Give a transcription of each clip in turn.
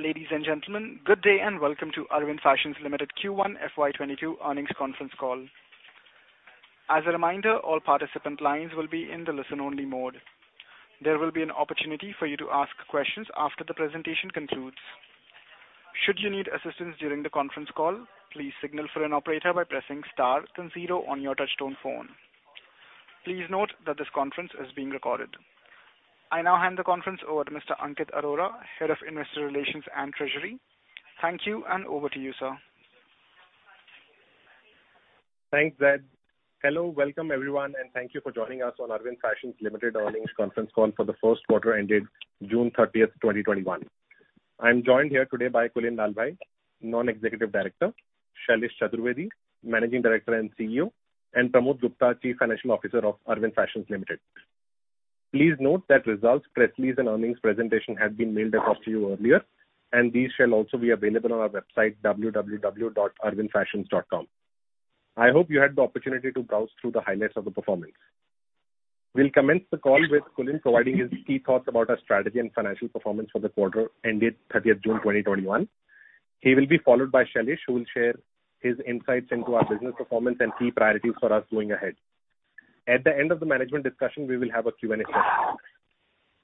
Ladies and gentlemen, good day and welcome to Arvind Fashions Limited Q1 FY 2022 Earnings Conference Call. As a reminder, all participant lines will be in the listen-only mode. There will be an opportunity for you to ask questions after the presentation concludes. Should you need assistance during the conference call, please signal for an operator by pressing star then zero on your touchtone phone. Please note that this conference is being recorded. I now hand the conference over to Mr Ankit Arora, Head of Investor Relations and Treasury. Thank you. Over to you, sir. Thanks, Zed. Hello, welcome everyone, and thank you for joining us on Arvind Fashions Limited earnings conference call for the first quarter ended June 30th, 2021. I'm joined here today by Kulin Lalbhai, Non-Executive Director, Shailesh Chaturvedi, Managing Director and CEO, and Pramod Gupta, Chief Financial Officer of Arvind Fashions Limited. Please note that results, press release, and earnings presentation have been mailed across to you earlier, and these shall also be available on our website www.arvindfashions.com. I hope you had the opportunity to browse through the highlights of the performance. We'll commence the call with Kulin providing his key thoughts about our strategy and financial performance for the quarter ended 30th June 2021. He will be followed by Shailesh, who will share his insights into our business performance and key priorities for us going ahead. At the end of the management discussion, we will have a Q&A session.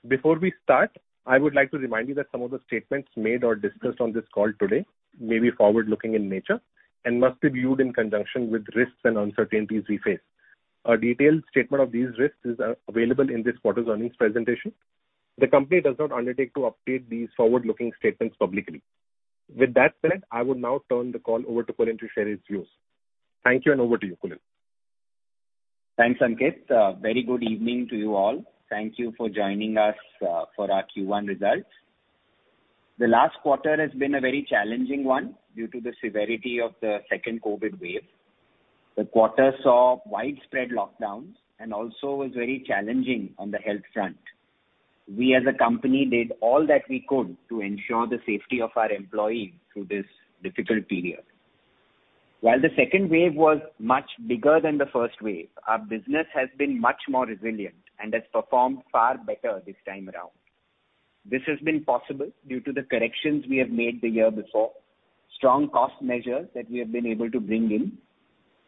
Before we start, I would like to remind you that some of the statements made or discussed on this call today may be forward-looking in nature and must be viewed in conjunction with risks and uncertainties we face. A detailed statement of these risks is available in this quarter's earnings presentation. The company does not undertake to update these forward-looking statements publicly. With that said, I would now turn the call over to Kulin to share his views. Thank you, and over to you, Kulin. Thanks, Ankit. A very good evening to you all. Thank you for joining us for our Q1 results. The last quarter has been a very challenging one due to the severity of the second COVID wave. The quarter saw widespread lockdowns and also was very challenging on the health front. We as a company did all that we could to ensure the safety of our employees through this difficult period. While the second wave was much bigger than the first wave, our business has been much more resilient and has performed far better this time around. This has been possible due to the corrections we have made the year before, strong cost measures that we have been able to bring in,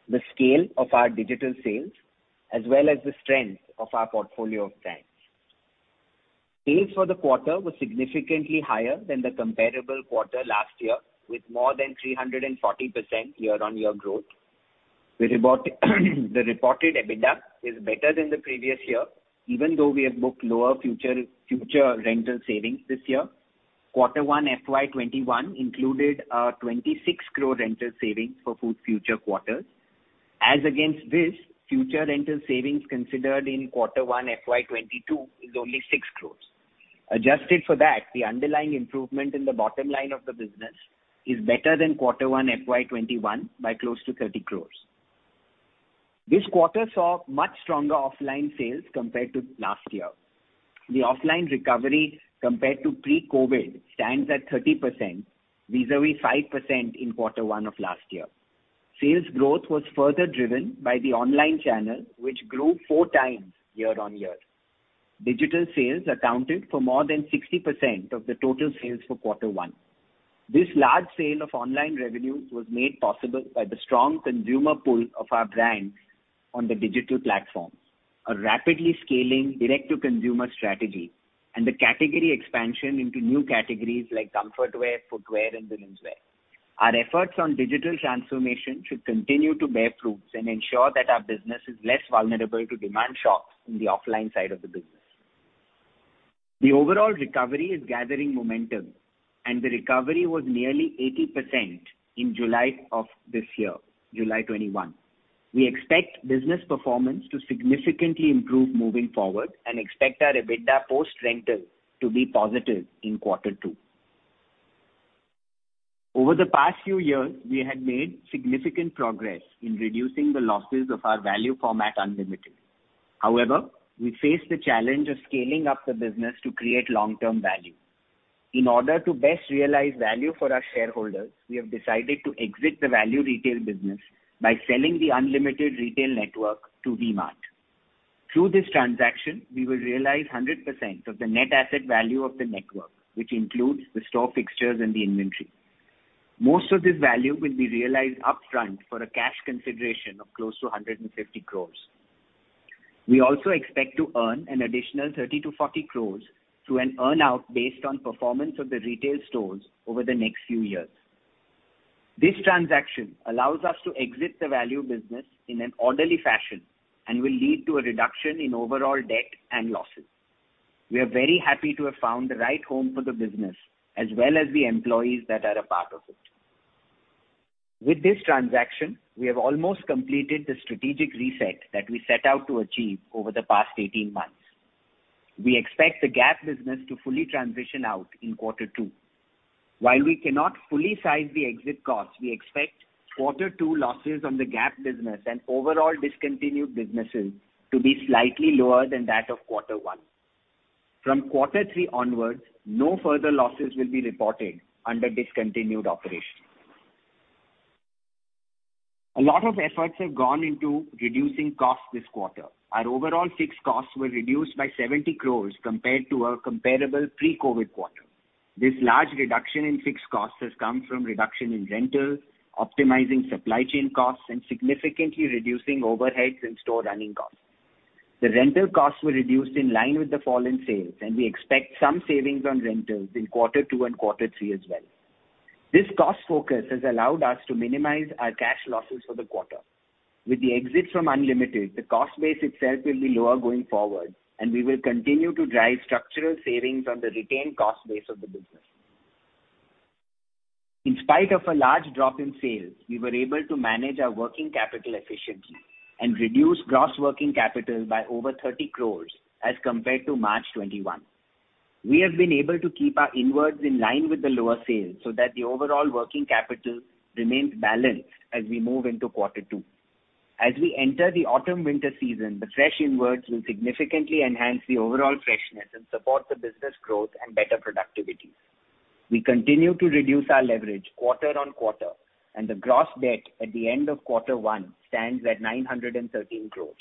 the scale of our digital sales, as well as the strength of our portfolio of brands. Sales for the quarter were significantly higher than the comparable quarter last year, with more than 340% year-on-year growth. The reported EBITDA is better than the previous year, even though we have booked lower future rental savings this year. Quarter one FY 2021 included 26 crore rental savings for future quarters. As against this, future rental savings considered in quarter one FY 2022 is only 6 crore. Adjusted for that, the underlying improvement in the bottom line of the business is better than quarter one FY 2021 by close to 30 crore. This quarter saw much stronger offline sales compared to last year. The offline recovery compared to pre-COVID stands at 30%, vis-à-vis 5% in quarter one of last year. Sales growth was further driven by the online channel, which grew four times year-on-year. Digital sales accounted for more than 60% of the total sales for quarter one. This large sale of online revenue was made possible by the strong consumer pull of our brands on the digital platform, a rapidly scaling direct-to-consumer strategy, and the category expansion into new categories like comfort wear, footwear, and women's wear. Our efforts on digital transformation should continue to bear fruits and ensure that our business is less vulnerable to demand shocks in the offline side of the business. The overall recovery is gathering momentum, and the recovery was nearly 80% in July of this year, July 2021. We expect business performance to significantly improve moving forward and expect our EBITDA post-rental to be positive in quarter two. Over the past few years, we had made significant progress in reducing the losses of our value format, Unlimited. However, we face the challenge of scaling up the business to create long-term value. In order to best realize value for our shareholders, we have decided to exit the value retail business by selling the Unlimited retail network to V-Mart. Through this transaction, we will realize 100% of the net asset value of the network, which includes the store fixtures and the inventory. Most of this value will be realized upfront for a cash consideration of close to 150 crores. We also expect to earn an additional 30 crores-40 crores through an earn-out based on performance of the retail stores over the next few years. This transaction allows us to exit the value business in an orderly fashion and will lead to a reduction in overall debt and losses. We are very happy to have found the right home for the business, as well as the employees that are a part of it. With this transaction, we have almost completed the strategic reset that we set out to achieve over the past 18 months. We expect the Gap business to fully transition out in quarter two. While we cannot fully size the exit cost, we expect quarter two losses on the Gap business and overall discontinued businesses to be slightly lower than that of quarter one. From quarter three onwards, no further losses will be reported under discontinued operations. A lot of efforts have gone into reducing costs this quarter. Our overall fixed costs were reduced by 70 crore compared to our comparable pre-COVID quarter. This large reduction in fixed costs has come from reduction in rentals, optimizing supply chain costs, and significantly reducing overheads and store running costs. The rental costs were reduced in line with the fall in sales. We expect some savings on rentals in quarter two and quarter three as well. This cost focus has allowed us to minimize our cash losses for the quarter. With the exit from Unlimited, the cost base itself will be lower going forward. We will continue to drive structural savings on the retained cost base of the business. In spite of a large drop in sales, we were able to manage our working capital efficiently and reduce gross working capital by over 30 crores as compared to March 2021. We have been able to keep our inwards in line with the lower sales so that the overall working capital remains balanced as we move into quarter two. As we enter the autumn winter season, the fresh inwards will significantly enhance the overall freshness and support the business growth and better productivity. We continue to reduce our leverage quarter-on-quarter, the gross debt at the end of quarter one stands at 913 crores.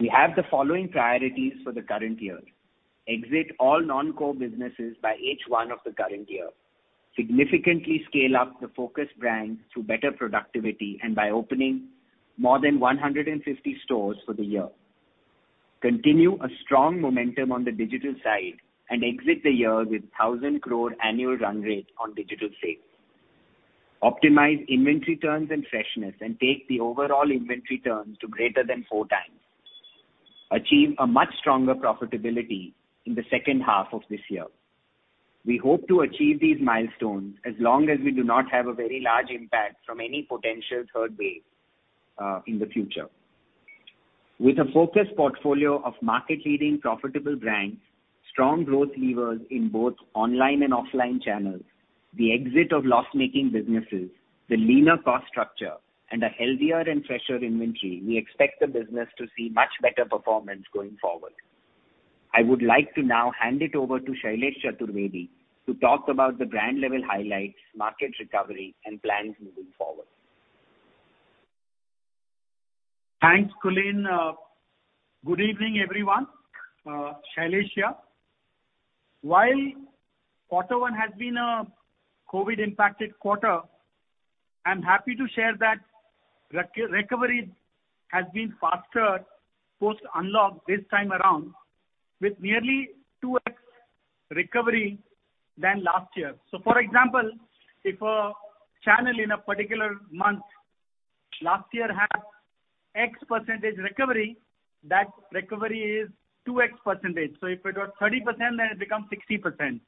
We have the following priorities for the current year. Exit all non-core businesses by H1 of the current year. Significantly scale up the focus brand through better productivity and by opening more than 150 stores for the year. Continue a strong momentum on the digital side and exit the year with 1,000 crore annual run rate on digital sales. Optimize inventory turns and freshness and take the overall inventory turns to greater than four times. Achieve a much stronger profitability in the second half of this year. We hope to achieve these milestones as long as we do not have a very large impact from any potential third wave, in the future. With a focused portfolio of market leading profitable brands, strong growth levers in both online and offline channels, the exit of loss-making businesses, the leaner cost structure, and a healthier and fresher inventory, we expect the business to see much better performance going forward. I would like to now hand it over to Shailesh Chaturvedi to talk about the brand level highlights, market recovery, and plans moving forward. Thanks, Kulin. Good evening, everyone. Shailesh here. While quarter one has been a COVID impacted quarter, I'm happy to share that recovery has been faster post unlock this time around with nearly 2x recovery than last year. For example, if a channel in a particular month last year had X% recovery, that recovery is 2X%. If it was 30%, then it becomes 60%.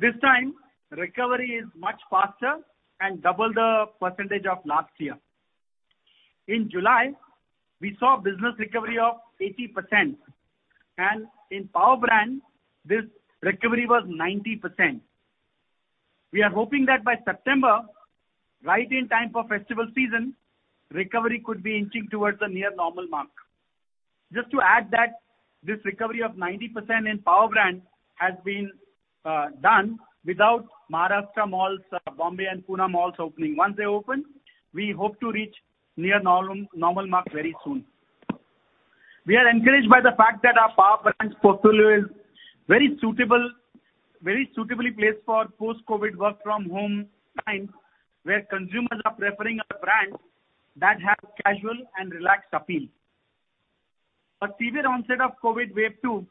This time, recovery is much faster and double the percentage of last year. In July, we saw business recovery of 80%, and in power brand, this recovery was 90%. We are hoping that by September, right in time for festival season, recovery could be inching towards a near normal mark. Just to add that this recovery of 90% in power brand has been done without Maharashtra malls, Mumbai and Pune malls opening. Once they open, we hope to reach near normal mark very soon. We are encouraged by the fact that our power brands portfolio is very suitably placed for post-COVID work from home time, where consumers are preferring a brand that has casual and relaxed appeal. A severe onset of COVID wave two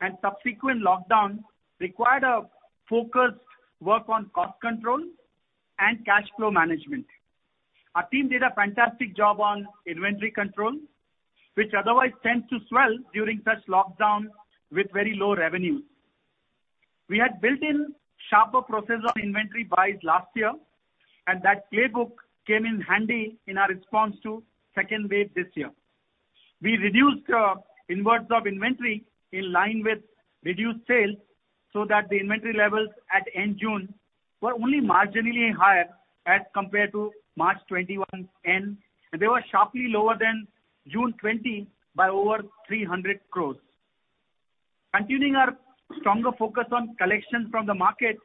and subsequent lockdown required a focused work on cost control and cash flow management. Our team did a fantastic job on inventory control, which otherwise tends to swell during such lockdown with very low revenues. We had built in sharper process of inventory buys last year, and that playbook came in handy in our response to second wave this year. We reduced inwards of inventory in line with reduced sales so that the inventory levels at end June were only marginally higher as compared to March 2021 end, and they were sharply lower than June 2020 by over 300 crores. Continuing our stronger focus on collections from the market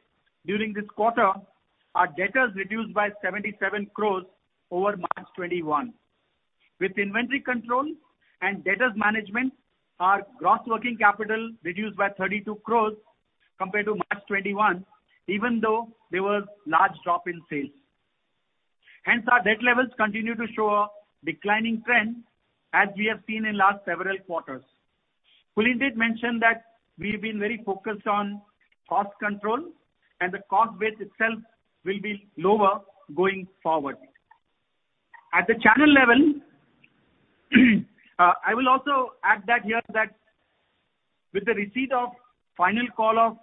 during this quarter, our debtors reduced by 77 crores over March 2021. With inventory control and debtors management, our gross working capital reduced by 32 crores compared to March 2021, even though there was large drop in sales. Our debt levels continue to show a declining trend as we have seen in last several quarters. Kulin did mention that we've been very focused on cost control, and the cost base itself will be lower going forward. I will also add here that with the receipt of final call of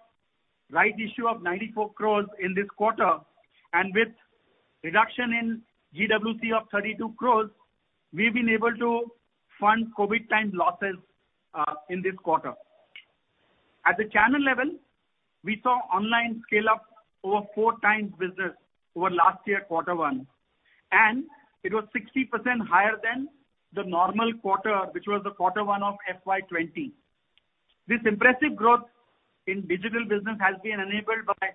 right issue of 94 crores in this quarter and with reduction in GWC of 32 crores, we've been able to fund COVID time losses in this quarter. At the channel level, we saw online scale up over 4x business over last year quarter one, and it was 60% higher than the normal quarter, which was the quarter one of FY 2020. This impressive growth in digital business has been enabled by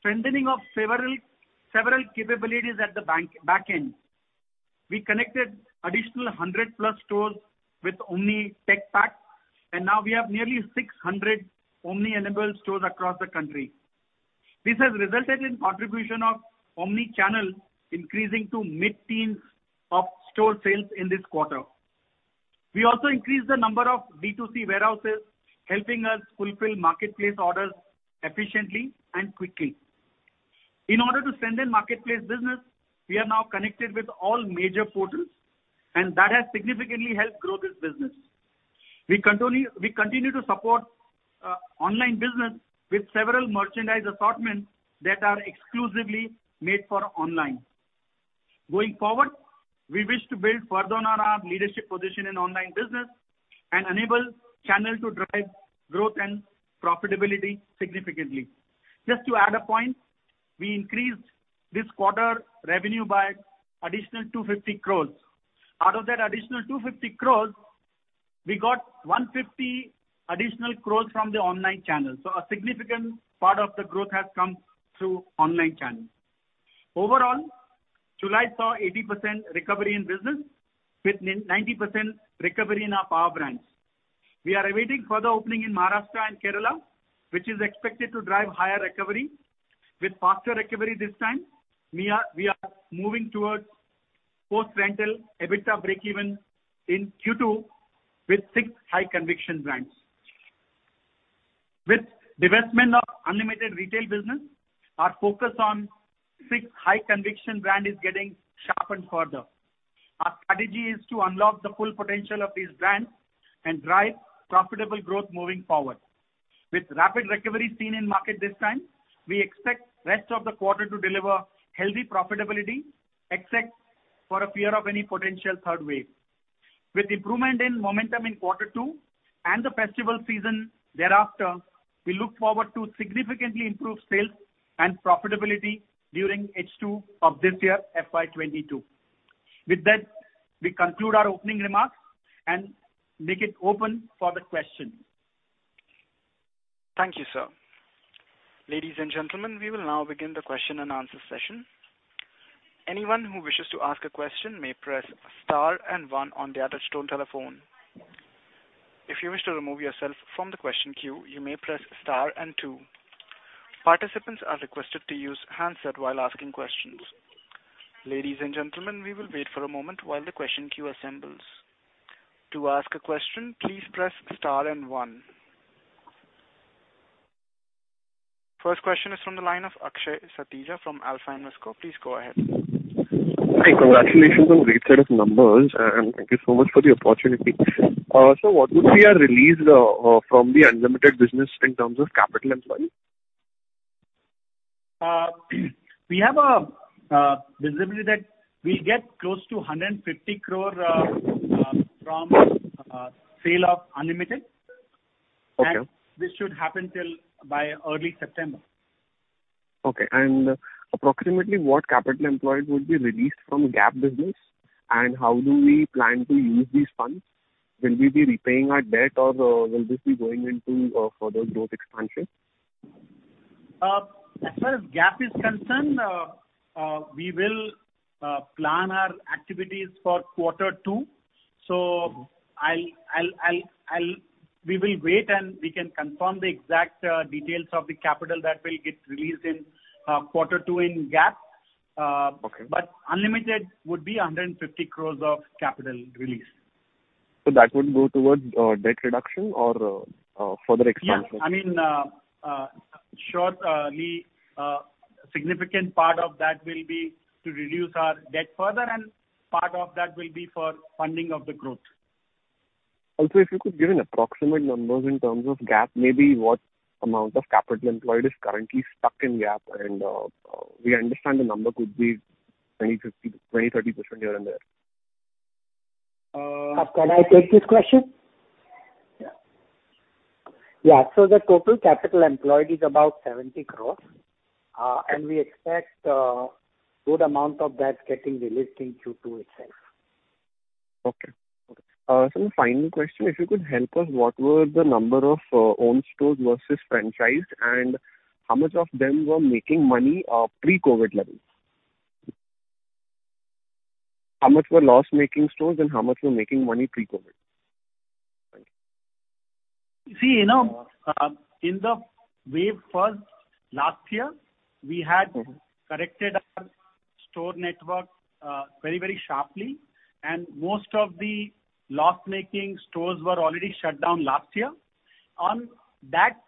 strengthening of several capabilities at the back end. We connected additional 100+ stores with omni tech stack, and now we have nearly 600 omni-enabled stores across the country. This has resulted in contribution of omni-channel increasing to mid-teens of store sales in this quarter. We also increased the number of B2C warehouses, helping us fulfill marketplace orders efficiently and quickly. In order to strengthen marketplace business, we are now connected with all major portals, and that has significantly helped grow this business. We continue to support online business with several merchandise assortments that are exclusively made for online. Going forward, we wish to build further on our leadership position in online business and enable channels to drive growth and profitability significantly. Just to add a point, we increased this quarter revenue by additional 250 crores. Out of that additional 250 crores, we got 150 additional crores from the online channel. A significant part of the growth has come through online channel. Overall, July saw 80% recovery in business with 90% recovery in our power brands. We are awaiting further opening in Maharashtra and Kerala, which is expected to drive higher recovery. With faster recovery this time, we are moving towards post-rental EBITDA breakeven in Q2 with six high conviction brands. With divestment of Unlimited retail business, our focus on six high conviction brand is getting sharpened further. Our strategy is to unlock the full potential of these brands and drive profitable growth moving forward. With rapid recovery seen in market this time, we expect rest of the quarter to deliver healthy profitability, except for a fear of any potential third wave. With improvement in momentum in quarter two and the festival season thereafter, we look forward to significantly improve sales and profitability during H2 of this year, FY 2022. With that, we conclude our opening remarks and make it open for the questions. Thank you, sir. Ladies and gentlemen, we will now begin the question and answer session. Anyone who wishes to ask a question may press star and one on their touchtone telephone. If you wish to remove yourself from the question queue, you may press star and two. Participants are requested to use handset while asking questions. Ladies and gentlemen, we will wait for a moment while the question queue assembles. To ask a question, please press star and one. First question is from the line of Akshay Satija from Alpha Invesco. Please go ahead. Hi. Congratulations on great set of numbers, and thank you so much for the opportunity. Sir, what would be our release from the Unlimited business in terms of capital employed? We have a visibility that we'll get close to 150 crore from sale of Unlimited. Okay. This should happen by early September. Okay. Approximately what capital employed would be released from Gap business, and how do we plan to use these funds? Will we be repaying our debt or will this be going into further growth expansion? As far as GAP is concerned, we will plan our activities for quarter two. We will wait, and we can confirm the exact details of the capital that will get released in quarter two in GAP. Okay. Unlimited would be 150 crores of capital release. That would go towards debt reduction or further expansion? Yeah. Shortly, a significant part of that will be to reduce our debt further, and part of that will be for funding of the growth. If you could give an approximate numbers in terms of Gap, maybe what amount of capital employed is currently stuck in Gap, we understand the number could be 20%-30% here and there. Can I take this question? Yeah. Yeah. The total capital employed is about 70 crores, and we expect good amount of that getting released in Q2 itself. Okay. Sir, final question, if you could help us, what were the number of owned stores versus franchised, and how much of them were making money pre-COVID levels? How much were loss-making stores and how much were making money pre-COVID? Thank you. In the wave first, last year, we had corrected our store network very sharply, and most of the loss-making stores were already shut down last year. On that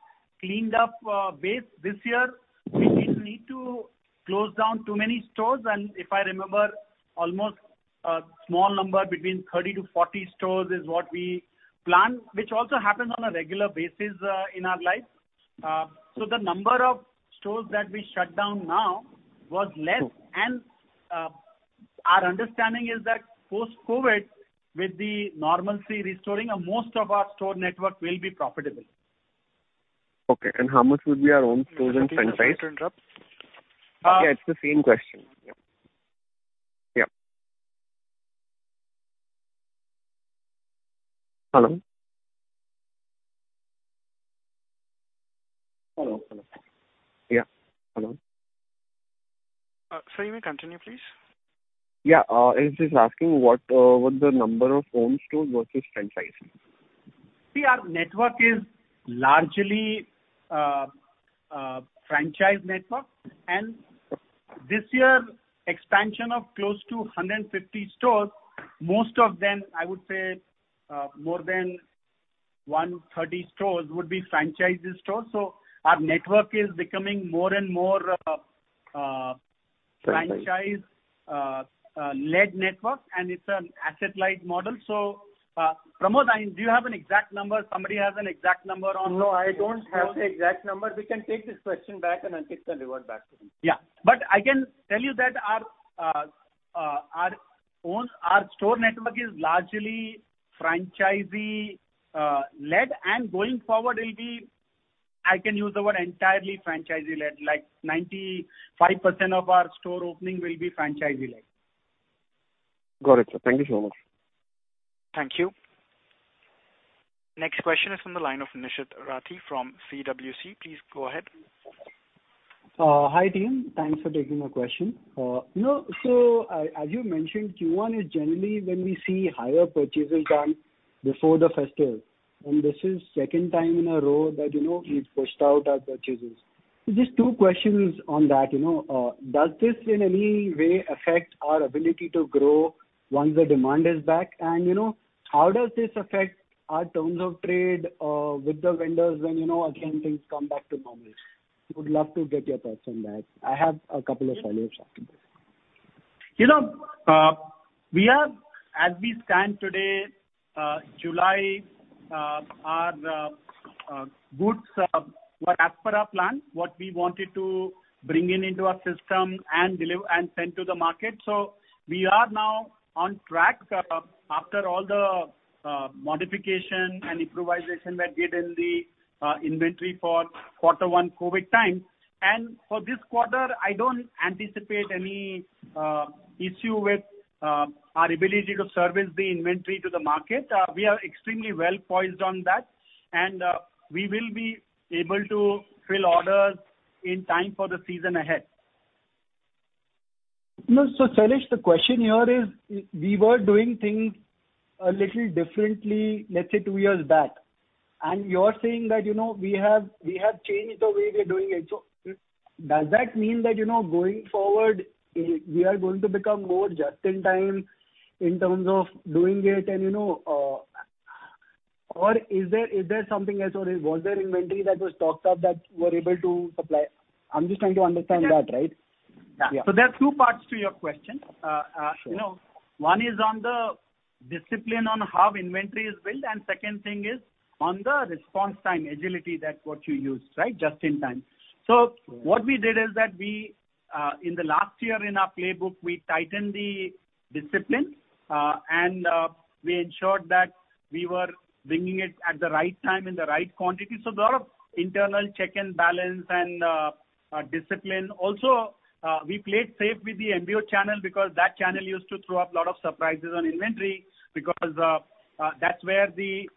cleaned-up base this year, we didn't need to close down too many stores, and if I remember, almost a small number between 30-40 stores is what we planned, which also happens on a regular basis in our life. The number of stores that we shut down now was less, and our understanding is that post-COVID, with the normalcy restoring, most of our store network will be profitable. Okay. How much would be our own stores and franchise? Sorry to interrupt. Yeah, it's the same question. Yeah. Hello? Hello. Yeah. Hello. Sir, you may continue, please. Yeah. I was just asking what the number of own stores versus franchising. Our network is largely a franchise network. This year expansion of close to 150 stores, most of them, I would say, more than 130 stores would be franchisee stores. Our network is becoming more and more a franchise-led network. It's an asset-light model. Pramod, do you have an exact number? No, I don't have the exact number. We can take this question back, and I'll take the revert back to him. Yeah. I can tell you that our store network is largely franchisee-led, and going forward it will be, I can use the word entirely franchisee-led, like 95% of our store opening will be franchisee-led. Got it, sir. Thank you so much. Thank you. Next question is from the line of Nishit Rathi from CWC. Please go ahead. Hi, team. Thanks for taking my question. As you mentioned, Q1 is generally when we see higher purchases than before the festive. This is second time in a row that we've pushed out our purchases. Just two questions on that. Does this in any way affect our ability to grow once the demand is back? How does this affect our terms of trade with the vendors when again things come back to normal? Would love to get your thoughts on that. I have a couple of follow-ups after this. As we stand today, July, our goods were as per our plan, what we wanted to bring in into our system and send to the market. We are now on track after all the modification and improvisation that we did in the inventory for quarter one COVID time. For this quarter, I don't anticipate any issue with our ability to service the inventory to the market. We are extremely well-poised on that, and we will be able to fill orders in time for the season ahead. No. Shailesh, the question here is, we were doing things a little differently, let's say, two years back, you're saying that we have changed the way we're doing it. Does that mean that going forward, we are going to become more just in time in terms of doing it? Is there something else, or was there inventory that was stocked up that you were able to supply? I'm just trying to understand that, right? Yeah. Yeah. There are two parts to your question. Sure. One is on the discipline on how inventory is built, and second thing is on the response time agility that what you use, right. Just in time. What we did is that we, in the last year in our playbook, we tightened the discipline, and we ensured that we were bringing it at the right time in the right quantity. There are internal check and balance and discipline. Also, we played safe with the MBO channel because that channel used to throw up a lot of surprises on inventory, because that's where the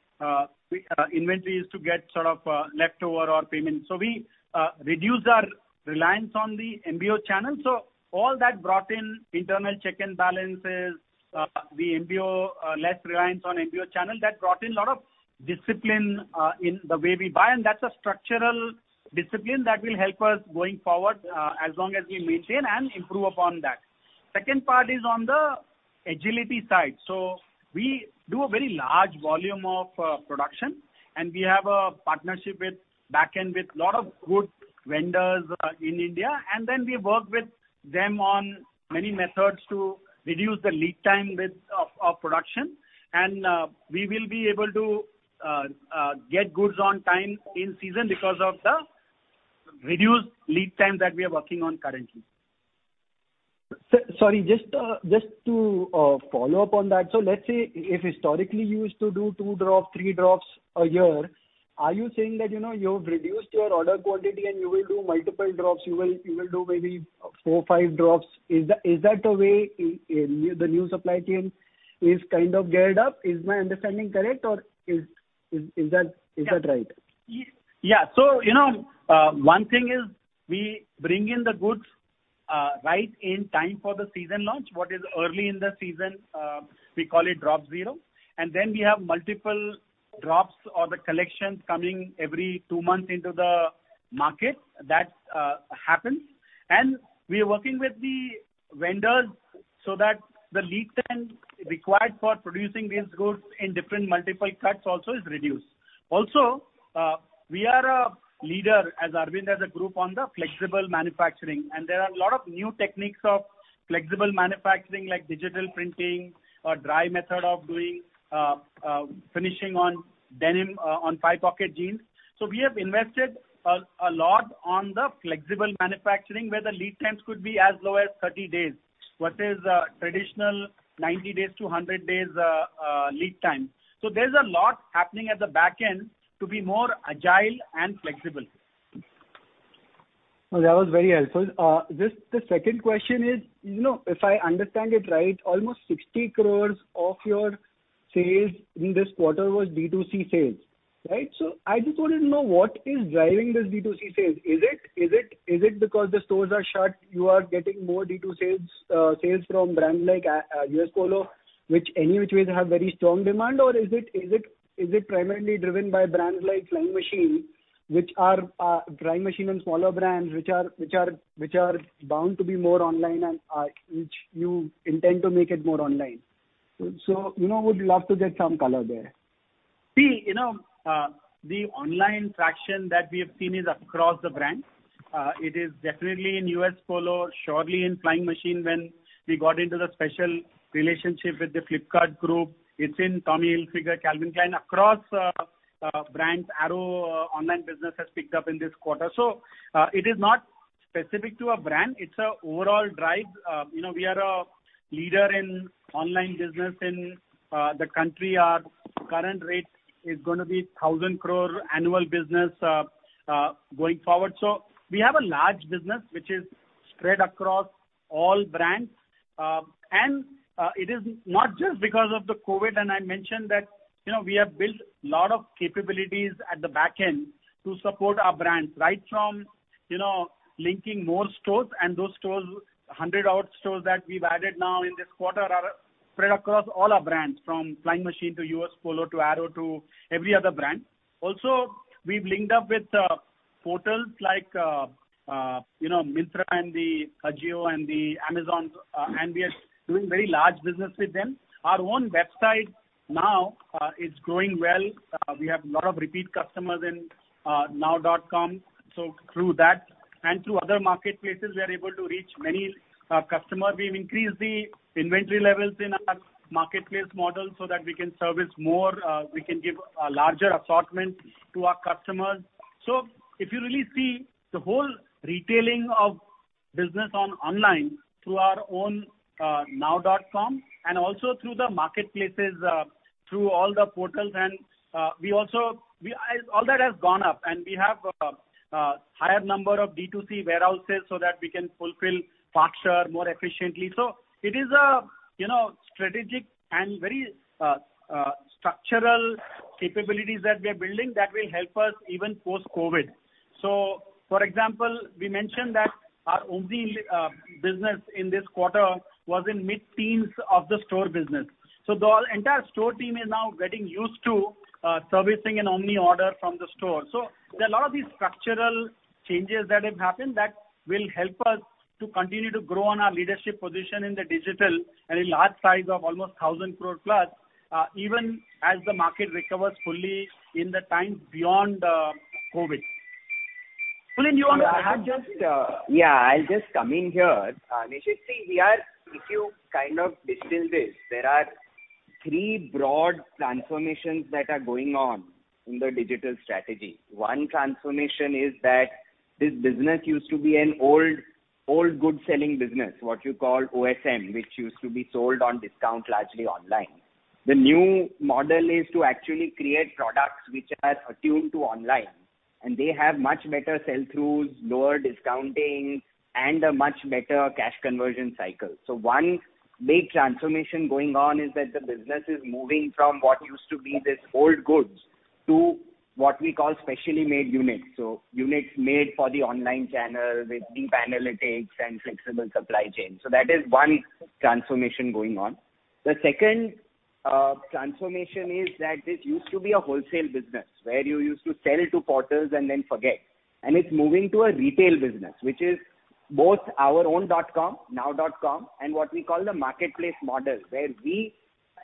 inventory used to get sort of left over our payment. We reduced our reliance on the MBO channel. All that brought in internal check and balances, less reliance on MBO channel. That brought in lot of discipline in the way we buy, and that's a structural discipline that will help us going forward, as long as we maintain and improve upon that. Second part is on the agility side. We do a very large volume of production, and we have a partnership with back end with lot of good vendors in India. We work with them on many methods to reduce the lead time with our production. We will be able to get goods on time in season because of the reduced lead time that we are working on currently. Sorry, just to follow up on that. Let's say if historically you used to do two drops, three drops a year, are you saying that you've reduced your order quantity and you will do multiple drops, you will do maybe four, five drops? Is that the way the new supply chain is kind of geared up? Is my understanding correct, or is that right? Yeah. One thing is we bring in the goods right in time for the season launch. What is early in the season, we call it drop zero. Then we have multiple drops or the collections coming every two months into the market. That happens. We are working with the vendors so that the lead time required for producing these goods in different multiple cuts also is reduced. We are a leader as Arvind, as a group on the flexible manufacturing. There are a lot of new techniques of flexible manufacturing like digital printing or dry method of doing finishing on denim, on five pocket jeans. We have invested a lot on the flexible manufacturing, where the lead times could be as low as 30 days versus traditional 90 days to 100 days lead time. There's a lot happening at the back end to be more agile and flexible. No, that was very helpful. The second question is, if I understand it right, almost 60 crores of your sales in this quarter was D2C sales. Right? I just wanted to know what is driving this D2C sales. Is it because the stores are shut, you are getting more D2C sales from brands like U.S. Polo, which any which ways have very strong demand? Or is it primarily driven by brands like Flying Machine and smaller brands, which are bound to be more online and which you intend to make it more online? Would love to get some color there. The online traction that we have seen is across the brand. It is definitely in U.S. Polo Assn., surely in Flying Machine, when we got into the special relationship with the Flipkart Group. It's in Tommy Hilfiger, Calvin Klein, across brands. Arrow online business has picked up in this quarter. It is not specific to a brand. It's a overall drive. We are a leader in online business in the country. Our current rate is going to be 1,000 crore annual business, going forward. We have a large business, which is spread across all brands. It is not just because of the COVID, and I mentioned that we have built lot of capabilities at the back end to support our brands, right from linking more stores, and those 100 odd stores that we've added now in this quarter are spread across all our brands, from Flying Machine to U.S. Polo Assn. to Arrow to every other brand. We've linked up with portals like Myntra and the AJIO and the Amazon, and we are doing very large business with them. Our own website now is growing well. We have lot of repeat customers in NNNOW.com. Through that and through other marketplaces, we are able to reach many customers. We've increased the inventory levels in our marketplace model so that we can service more, we can give a larger assortment to our customers. If you really see the whole retailing of business on online through our own NNNOW.com and also through the marketplaces, through all the portals, all that has gone up, and we have higher number of D2C warehouses so that we can fulfill faster, more efficiently. It is a strategic and very structural capabilities that we are building that will help us even post-COVID. For example, we mentioned that our omni business in this quarter was in mid-teens of the store business. The entire store team is now getting used to servicing an omni order from the store. There are a lot of these structural changes that have happened that will help us to continue to grow on our leadership position in the digital at a large size of almost 1,000+ crore, even as the market recovers fully in the time beyond COVID. Kulin, you want to add something? I'll just come in here. Nishit, see here, if you distill this, there are three broad transformations that are going on in the digital strategy. One transformation is that this business used to be an old goods selling business, what you call OSM, which used to be sold on discount largely online. The new model is to actually create products which are attuned to online, and they have much better sell-throughs, lower discounting, and a much better cash conversion cycle. One big transformation going on is that the business is moving from what used to be this old goods to what we call specially made units. Units made for the online channel with deep analytics and flexible supply chain. That is one transformation going on. The second transformation is that this used to be a wholesale business, where you used to sell to portals and then forget. It's moving to a retail business, which is both our own NNNOW.com and what we call the marketplace model, where we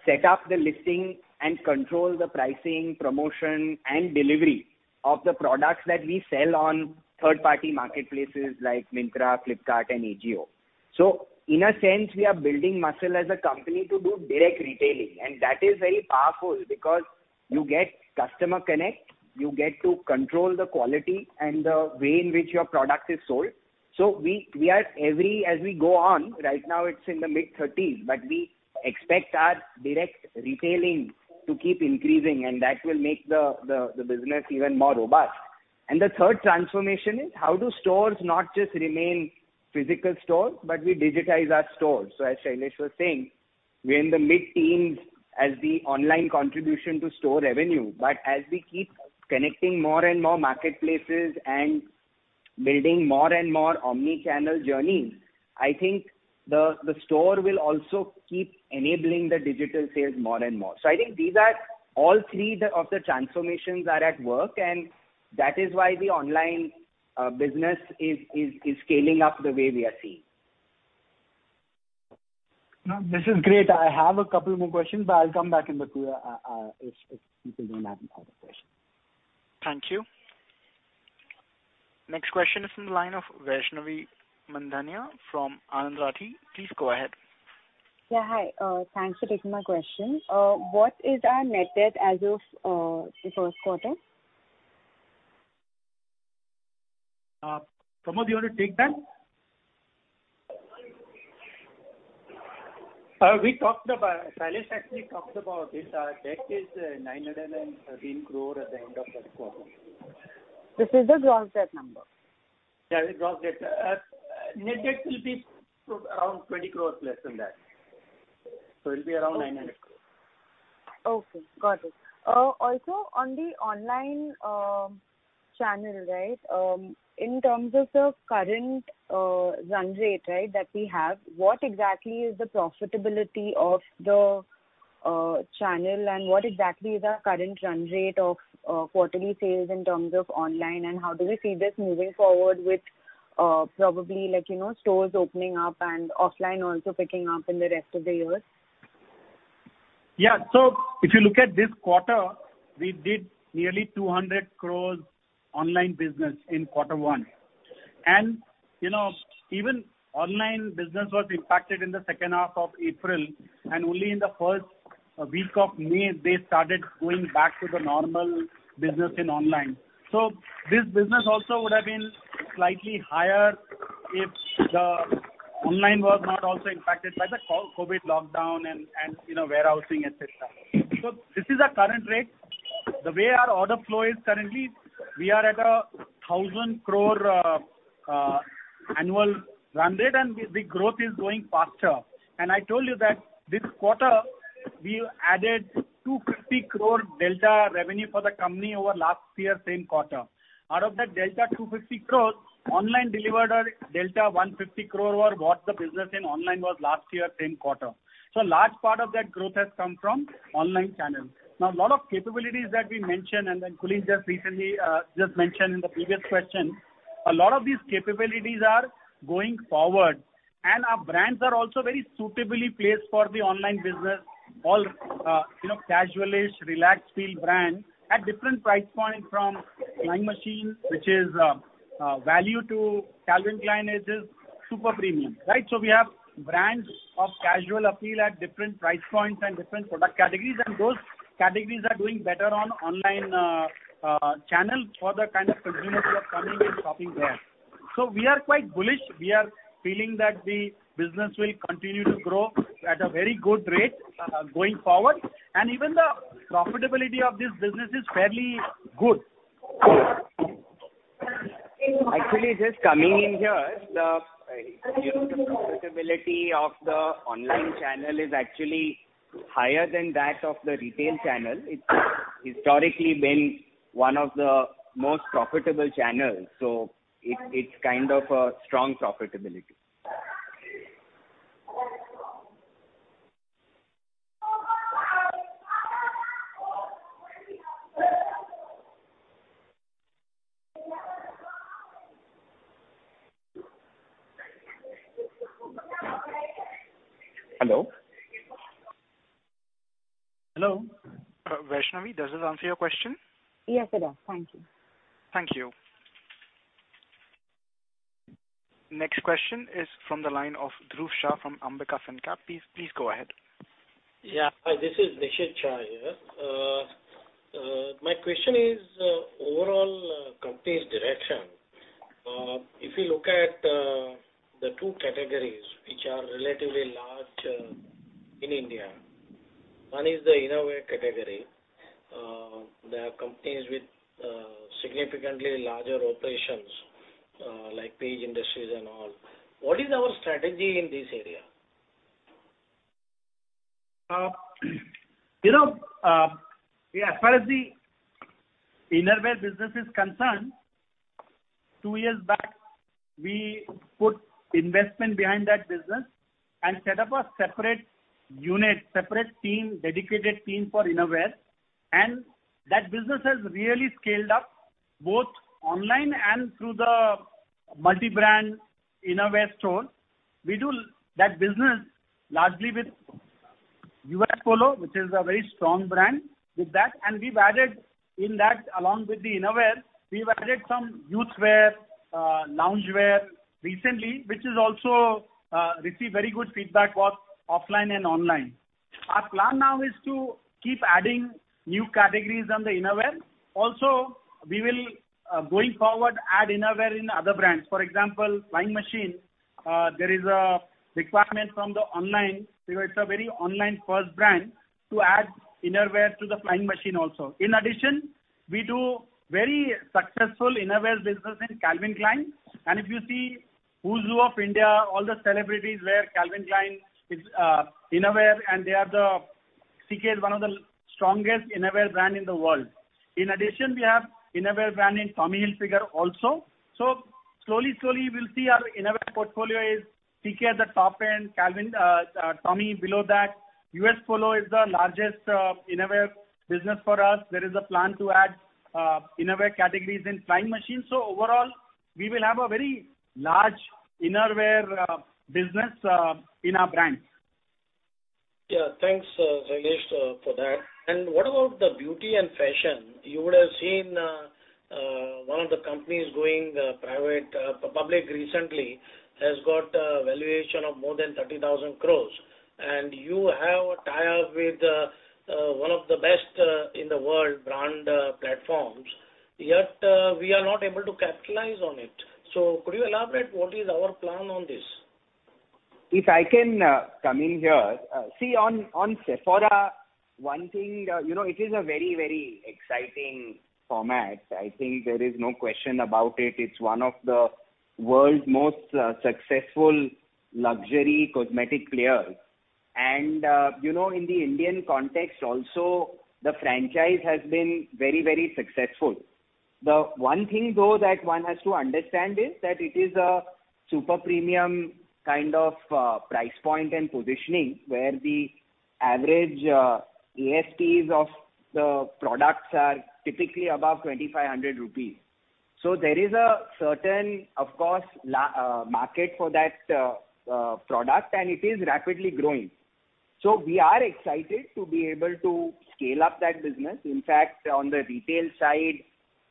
set up the listing and control the pricing, promotion, and delivery of the products that we sell on third-party marketplaces like Myntra, Flipkart, and AJIO. In a sense, we are building muscle as a company to do direct retailing, and that is very powerful because you get customer connect, you get to control the quality and the way in which your product is sold. As we go on, right now it's in the mid-30s, but we expect our direct retailing to keep increasing, and that will make the business even more robust. The third transformation is how do stores not just remain physical stores, but we digitize our stores. As Shailesh was saying, we're in the mid-teens as the online contribution to store revenue. As we keep connecting more and more marketplaces and building more and more omni-channel journeys, I think the store will also keep enabling the digital sales more and more. I think these are all three of the transformations are at work, and that is why the online business is scaling up the way we are seeing. No, this is great. I have a couple more questions, but I'll come back in the queue if people don't have any further questions. Thank you. Next question is from the line of Vaishnavi Mandhaniya from Anand Rathi. Please go ahead. Hi. Thanks for taking my question. What is our net debt as of the first quarter? Pramod, you want to take that? Shailesh actually talked about this. Our debt is 913 crore at the end of that quarter. This is the gross debt number? Yeah, the gross debt. Net debt will be around 20 crores less than that. It'll be around 900 crores. Okay, got it. Also, on the online channel, in terms of the current run rate that we have, what exactly is the profitability of the channel and what exactly is our current run rate of quarterly sales in terms of online, and how do we see this moving forward with probably stores opening up and offline also picking up in the rest of the year? Yeah. If you look at this quarter, we did nearly 200 crores online business in quarter one. Even online business was impacted in the second half of April, and only in the first week of May, they started going back to the normal business in online. This business also would have been slightly higher if the online was not also impacted by the COVID lockdown and warehousing, et cetera. This is our current rate. The way our order flow is currently, we are at a 1,000 crore annual run rate, and the growth is growing faster. I told you that this quarter, we added 250 crore delta revenue for the company over last year, same quarter. Out of that delta 250 crores, online delivered our delta 150 crore over what the business in online was last year, same quarter. A large part of that growth has come from online channel. A lot of capabilities that we mentioned, and then Kulin just recently mentioned in the previous question, a lot of these capabilities are going forward. Our brands are also very suitably placed for the online business. All casualish, relaxed feel brand at different price point from Flying Machine, which is value to Calvin Klein is super premium. We have brands of casual appeal at different price points and different product categories, and those categories are doing better on online channel for the kind of consumers who are coming and shopping there. We are quite bullish. We are feeling that the business will continue to grow at a very good rate going forward, and even the profitability of this business is fairly good. Actually, just coming in here, the profitability of the online channel is actually higher than that of the retail channel. It's historically been one of the most profitable channels, it's kind of a strong profitability. Hello? Hello? Vaishnavi, does this answer your question? Yes, it does. Thank you. Thank you. Next question is from the line of Dhruv Shah from Ambika Fincap. Please go ahead. Yeah. Hi, this is Nishid Shah here. My question is overall company's direction. If you look at the two categories which are relatively large in India, one is the innerwear category. There are companies with significantly larger operations, like Page Industries and all. What is our strategy in this area? As far as the innerwear business is concerned, two years back, we put investment behind that business and set up a separate unit, separate team, dedicated team for innerwear, and that business has really scaled up both online and through the multi-brand innerwear store. We do that business largely with U.S. Polo, which is a very strong brand with that. We've added in that along with the innerwear, we've added some youth wear, loungewear recently, which has also received very good feedback both offline and online. Our plan now is to keep adding new categories on the innerwear. We will, going forward, add innerwear in other brands. For example, Flying Machine, there is a requirement from the online, because it's a very online first brand, to add innerwear to the Flying Machine also. In addition, we do very successful innerwear business in Calvin Klein, and if you see who's who of India, all the celebrities wear Calvin Klein innerwear, and CK is one of the strongest innerwear brand in the world. In addition, we have innerwear brand in Tommy Hilfiger also. Slowly, we'll see our innerwear portfolio is CK at the top end, Tommy below that. U.S. Polo is the largest innerwear business for us. There is a plan to add innerwear categories in Flying Machine. Overall, we will have a very large innerwear business in our brands. Yeah. Thanks, Shailesh, for that. What about the beauty and fashion? You would have seen one of the companies going public recently, has got a valuation of more than 30,000 crores, and you have a tie-up with one of the best in the world brand platforms, yet we are not able to capitalize on it. Could you elaborate what is our plan on this? If I can come in here. See, on Sephora, one thing, it is a very exciting format. I think there is no question about it. It's one of the world's most successful luxury cosmetic players. In the Indian context also, the franchise has been very successful. The one thing though, that one has to understand is, that it is a super premium kind of price point and positioning, where the average ASPs of the products are typically above 2,500 rupees. There is a certain, of course, market for that product, and it is rapidly growing. We are excited to be able to scale up that business. In fact, on the retail side,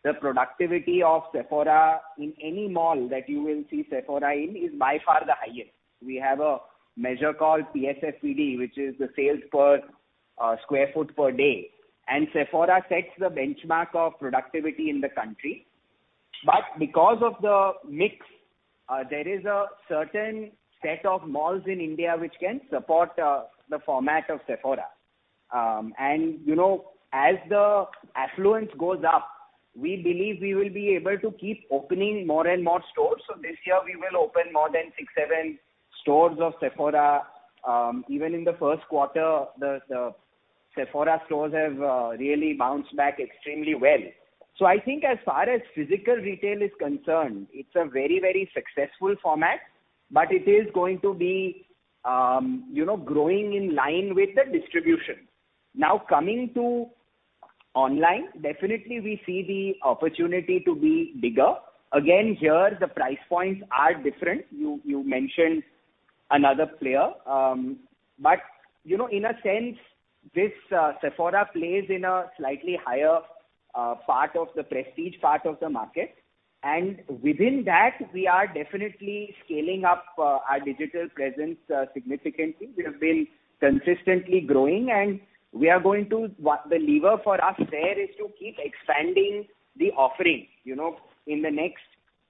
the productivity of Sephora in any mall that you will see Sephora in is by far the highest. We have a measure called PSFPD, which is the sales per square foot per day, and Sephora sets the benchmark of productivity in the country. Because of the mix, there is a certain set of malls in India which can support the format of Sephora. As the affluence goes up, we believe we will be able to keep opening more and more stores. This year, we will open more than six, seven stores of Sephora. Even in the first quarter, the Sephora stores have really bounced back extremely well. I think as far as physical retail is concerned, it's a very successful format, but it is going to be growing in line with the distribution. Coming to online, definitely we see the opportunity to be bigger. Again, here, the price points are different. You mentioned another player. In a sense, this Sephora plays in a slightly higher part of the prestige part of the market. Within that, we are definitely scaling up our digital presence significantly. We have been consistently growing, and the lever for us there is to keep expanding the offering. In the next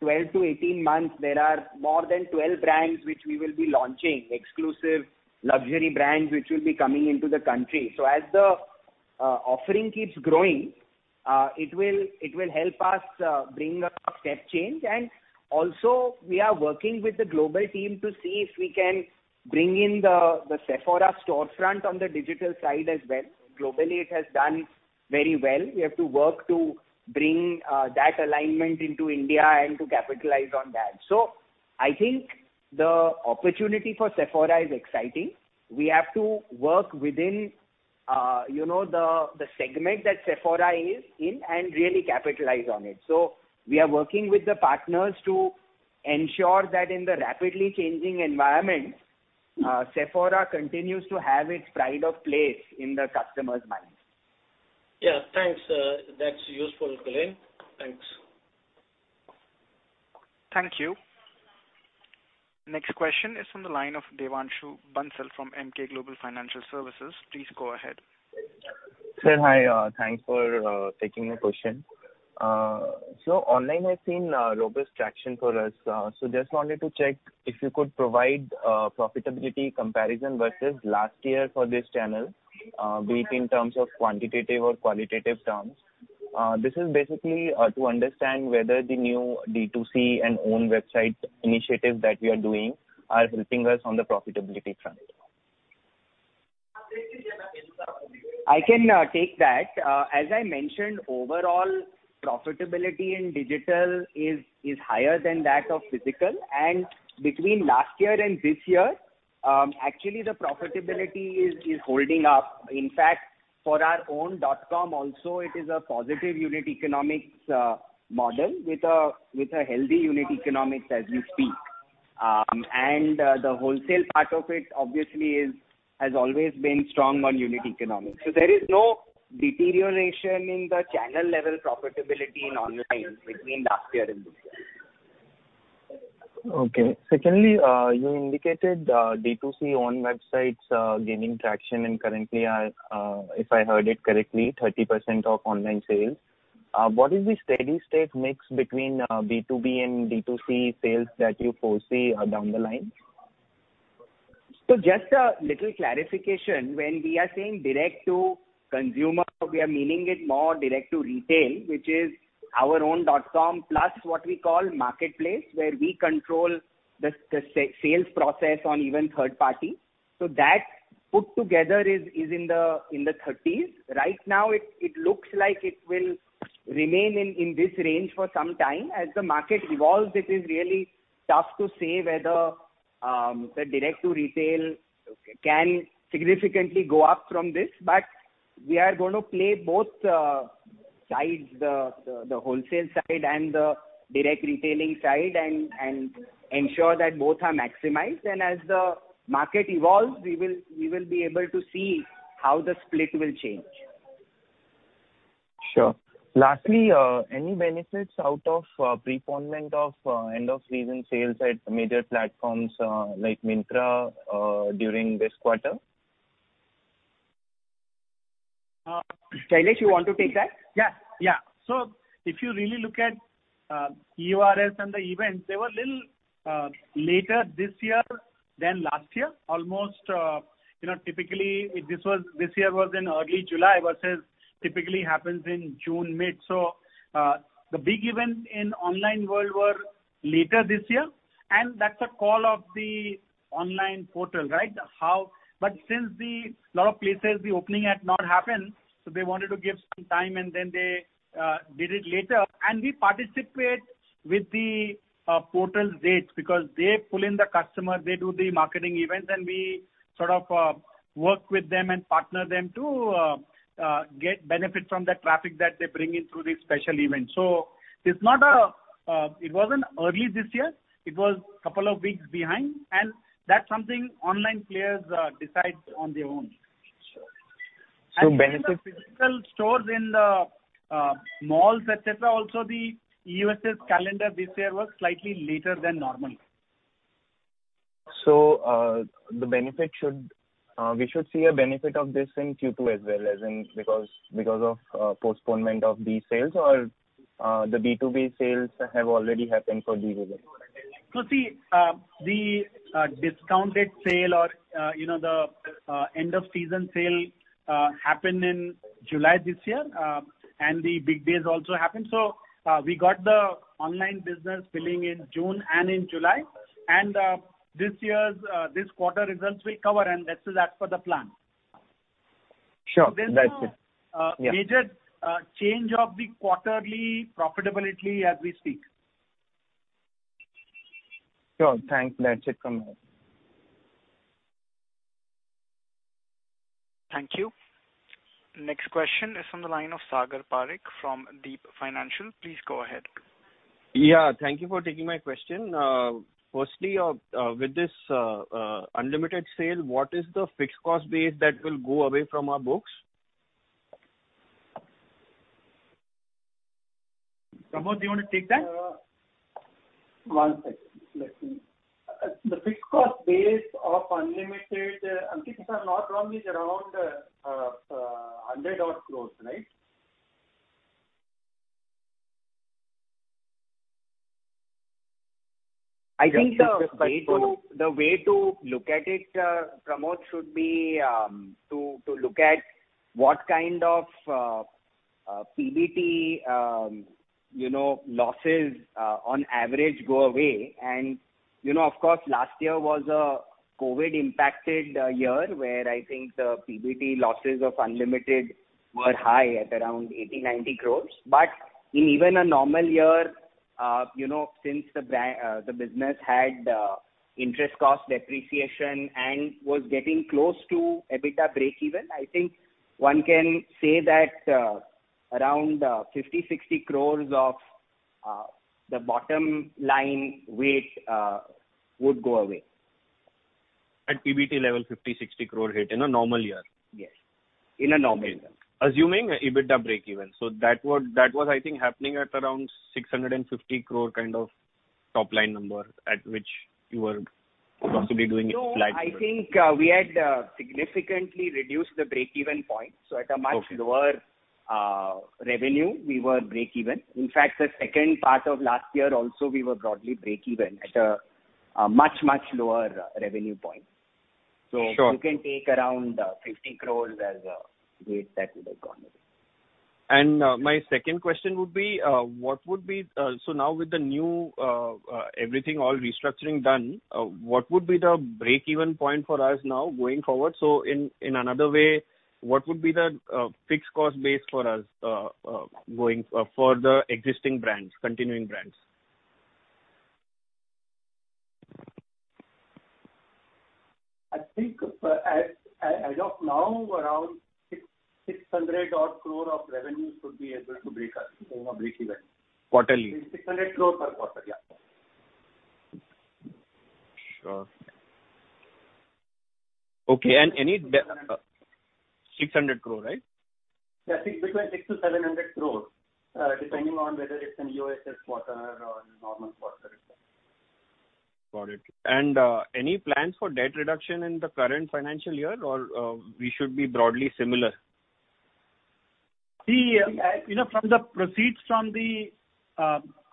12-18 months, there are more than 12 brands which we will be launching, exclusive luxury brands which will be coming into the country. As the offering keeps growing, it will help us bring a step change. Also, we are working with the global team to see if we can bring in the Sephora storefront on the digital side as well. Globally, it has done very well. We have to work to bring that alignment into India and to capitalize on that. I think the opportunity for Sephora is exciting. We have to work within the segment that Sephora is in and really capitalize on it. We are working with the partners to ensure that in the rapidly changing environment, Sephora continues to have its pride of place in the customers' minds. Yeah, thanks. That's useful, Kulin. Thanks. Thank you. Next question is from the line of Devanshu Bansal from Emkay Global Financial Services. Please go ahead. Sir, hi. Thanks for taking the question. Online has seen robust traction for us. Just wanted to check if you could provide a profitability comparison versus last year for this channel, be it in terms of quantitative or qualitative terms. This is basically to understand whether the new D2C and own website initiatives that we are doing are helping us on the profitability front. I can take that. As I mentioned, overall profitability in digital is higher than that of physical. Between last year and this year, actually, the profitability is holding up. In fact, for our NNNOW.com Also, it is a positive unit economics model with a healthy unit economics as we speak. The wholesale part of it obviously has always been strong on unit economics. There is no deterioration in the channel level profitability in online between last year and this year. Okay. You indicated D2C own websites gaining traction and currently are, if I heard it correctly, 30% of online sales. What is the steady state mix between B2B and D2C sales that you foresee down the line? Just a little clarification. When we are saying direct-to-consumer, we are meaning it more direct-to-retail, which is our NNNOW.com plus what we call marketplace, where we control the sales process on even third-party. That put together is in the 30s. Right now, it looks like it will remain in this range for some time. As the market evolves, it is really tough to say whether the direct-to-retail can significantly go up from this. We are going to play both sides, the wholesale side and the direct retailing side and ensure that both are maximized. As the market evolves, we will be able to see how the split will change. Sure. Lastly, any benefits out of preponement of End of Season Sales at major platforms like Myntra, during this quarter? Shailesh, you want to take that? Yeah. If you really look at EORS and the events, they were little later this year than last year. Almost typically, this year was in early July versus typically happens in June mid. The big event in online world were later this year, and that's a call of the online portal, right? Since a lot of places, the opening had not happened, so they wanted to give some time and then they did it later. We participate with the portal dates because they pull in the customer, they do the marketing events, and we sort of work with them and partner them to get benefits from the traffic that they bring in through these special events. It wasn't early this year. It was two weeks behind, and that's something online players decide on their own. Sure. Even the physical stores in the malls, et cetera, also the EOSS calendar this year was slightly later than normal. We should see a benefit of this in Q2 as well, as in because of postponement of these sales or the B2B sales have already happened for Q2? See, the discounted sale or the End of Season Sale happened in July this year. The big days also happened. We got the online business billing in June and in July. This quarter results will cover and that's as per the plan. Sure. That's it. Yeah. There's no major change of the quarterly profitability as we speak. Sure. Thanks. That's it from me. Thank you. Next question is from the line of Sagar Parekh from Deep Financial. Please go ahead. Yeah. Thank you for taking my question. Firstly, with this Unlimited sale, what is the fixed cost base that will go away from our books? Pramod, do you want to take that? One second. The fixed cost base of Unlimited, I think, sir, not wrongly is around 100 crores, right? I think the way to look at it, Pramod, should be to look at what kind of PBT losses on average go away. Of course, last year was a COVID-impacted year, where I think the PBT losses of Unlimited were high at around 80 crores-90 crores. In even a normal year, since the business had interest cost depreciation and was getting close to EBITDA breakeven, I think one can say that around 50 crores-60 crores of the bottom line weight would go away. At PBT level, 50 crore-60 crore hit in a normal year. Yes. In a normal year. Assuming EBITDA breakeven. That was, I think, happening at around 650 crore kind of top-line number, at which you were possibly doing it flat. I think we had significantly reduced the breakeven point. At a much lower revenue, we were breakeven. In fact, the second part of last year also, we were broadly breakeven at a much, much lower revenue point. Sure. You can take around 50 crores as a weight that would have gone away. My second question would be, now with the new everything, all restructuring done, what would be the breakeven point for us now going forward? In another way, what would be the fixed cost base for us for the existing brands, continuing brands? I think as of now, around 600 odd crore of revenue should be able to break even. Quarterly. 600 crore per quarter, yeah. Sure. Okay, 600 crore, right? Yeah. Between 600 crores-700 crores, depending on whether it's an EOSS quarter or a normal quarter. Got it. Any plans for debt reduction in the current financial year, or we should be broadly similar? See, from the proceeds from the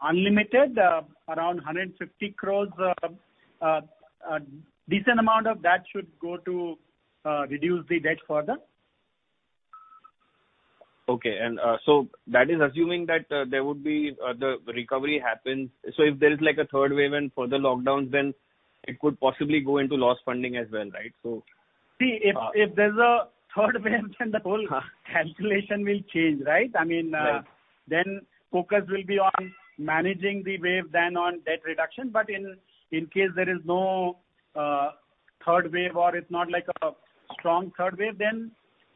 Unlimited, around 150 crores, a decent amount of that should go to reduce the debt further. Okay. That is assuming that there would be the recovery happens. If there is like a third wave and further lockdowns, then it could possibly go into loss funding as well, right? See, if there is a third wave, then the whole calculation will change, right? Right. Focus will be on managing the wave than on debt reduction. In case there is no third wave, or it's not like a strong third wave,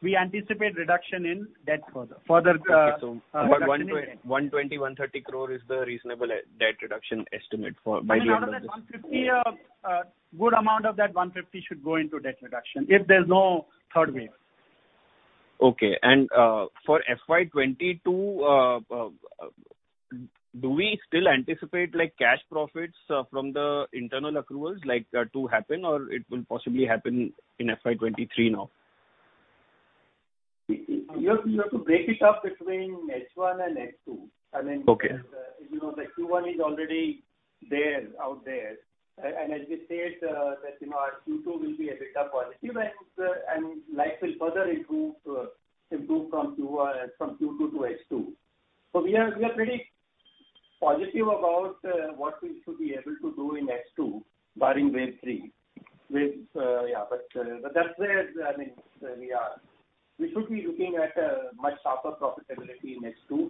we anticipate reduction in debt further. Further reduction in debt. Okay. 120 crore, 130 crore is the reasonable debt reduction estimate for by the end of this? I mean, out of that INR 150, a good amount of that 150 should go into debt reduction, if there's no third wave. Okay. For FY 2022, do we still anticipate cash profits from the internal accruals to happen, or it will possibly happen in FY 2023 now? You have to break it up between H1 and H2. Okay. The Q1 is already out there. As we said that our Q2 will be a bit positive and life will further improve from Q2 to H2. We are pretty positive about what we should be able to do in H2, barring wave three. That's where we are. We should be looking at a much sharper profitability in H2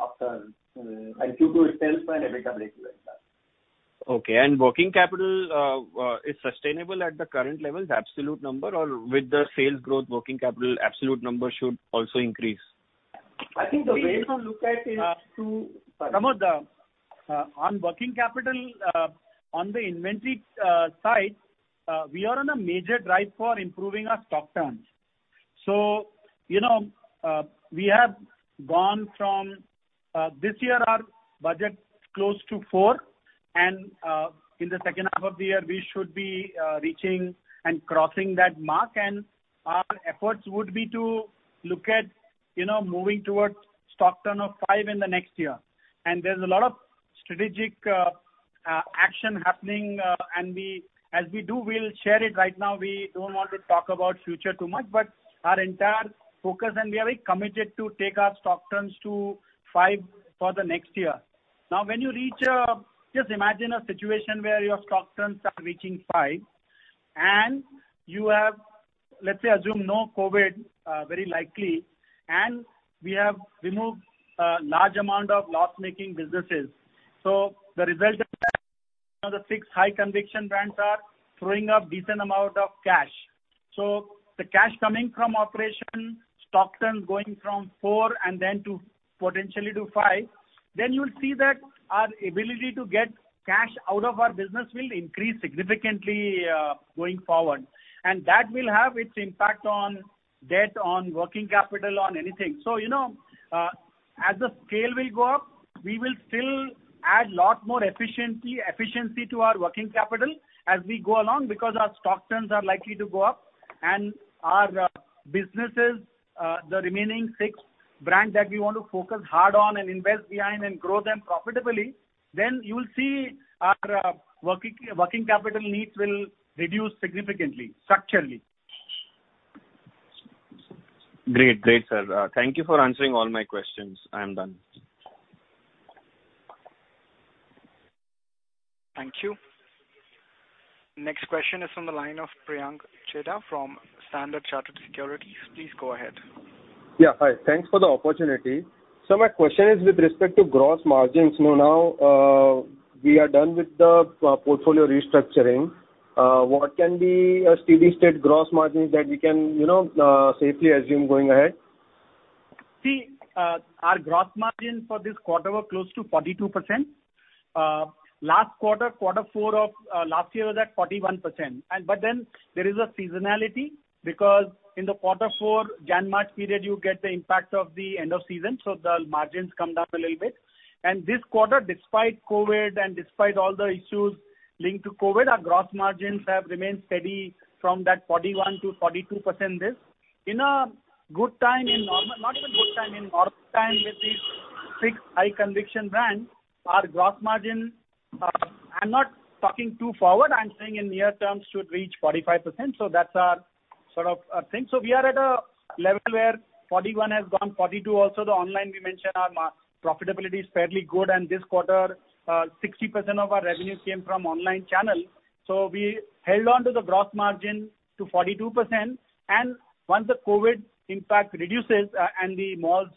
after Q2 itself and EBITDA improves as well. Okay. Working capital is sustainable at the current levels, absolute number, or with the sales growth, working capital absolute number should also increase? I think the way to look at is. Sagar Parekh, on working capital, on the inventory side, we are on a major drive for improving our stock turns. We have gone from this year, our budget close to four, and in the second half of the year, we should be reaching and crossing that mark, and our efforts would be to look at moving towards stock turn of five in the next year. There's a lot of strategic action happening, and as we do, we'll share it. Right now, we don't want to talk about future too much. Our entire focus, and we are very committed to take our stock turns to five for the next year. Just imagine a situation where your stock turns are reaching five and you have, let's say, assume no COVID, very likely, and we have removed a large amount of loss-making businesses. The result is that the six high conviction brands are throwing up a decent amount of cash. The cash coming from operation, stock turn going from four and then potentially to five, then you'll see that our ability to get cash out of our business will increase significantly going forward. That will have its impact on debt, on working capital, on anything. As the scale will go up, we will still add lot more efficiency to our working capital as we go along because our stock turns are likely to go up and our businesses, the remaining six brands that we want to focus hard on and invest behind and grow them profitably, then you will see our working capital needs will reduce significantly, structurally. Great, sir. Thank you for answering all my questions. I am done. Thank you. Next question is from the line of Priyank Chheda from Standard Chartered Securities. Please go ahead. Yeah, hi. Thanks for the opportunity. My question is with respect to gross margins. Now we are done with the portfolio restructuring. What can be a steady-state gross margin that we can safely assume going ahead? Our gross margin for this quarter was close to 42%. Last quarter four of last year was at 41%. There is a seasonality because in the quarter four January-March period, you get the impact of the end of season, so the margins come down a little bit. This quarter, despite COVID and despite all the issues linked to COVID, our gross margins have remained steady from that 41% to 42%. In a good time, in normal, not even good time, in normal time with the six high conviction brands, our gross margin, I'm not talking too forward, I'm saying in near terms should reach 45%. That's our sort of thing. We are at a level where 41% has gone, 42% also the online we mentioned, our profitability is fairly good, and this quarter, 60% of our revenue came from online channel. We held on to the gross margin to 42%, and once the COVID impact reduces and the malls,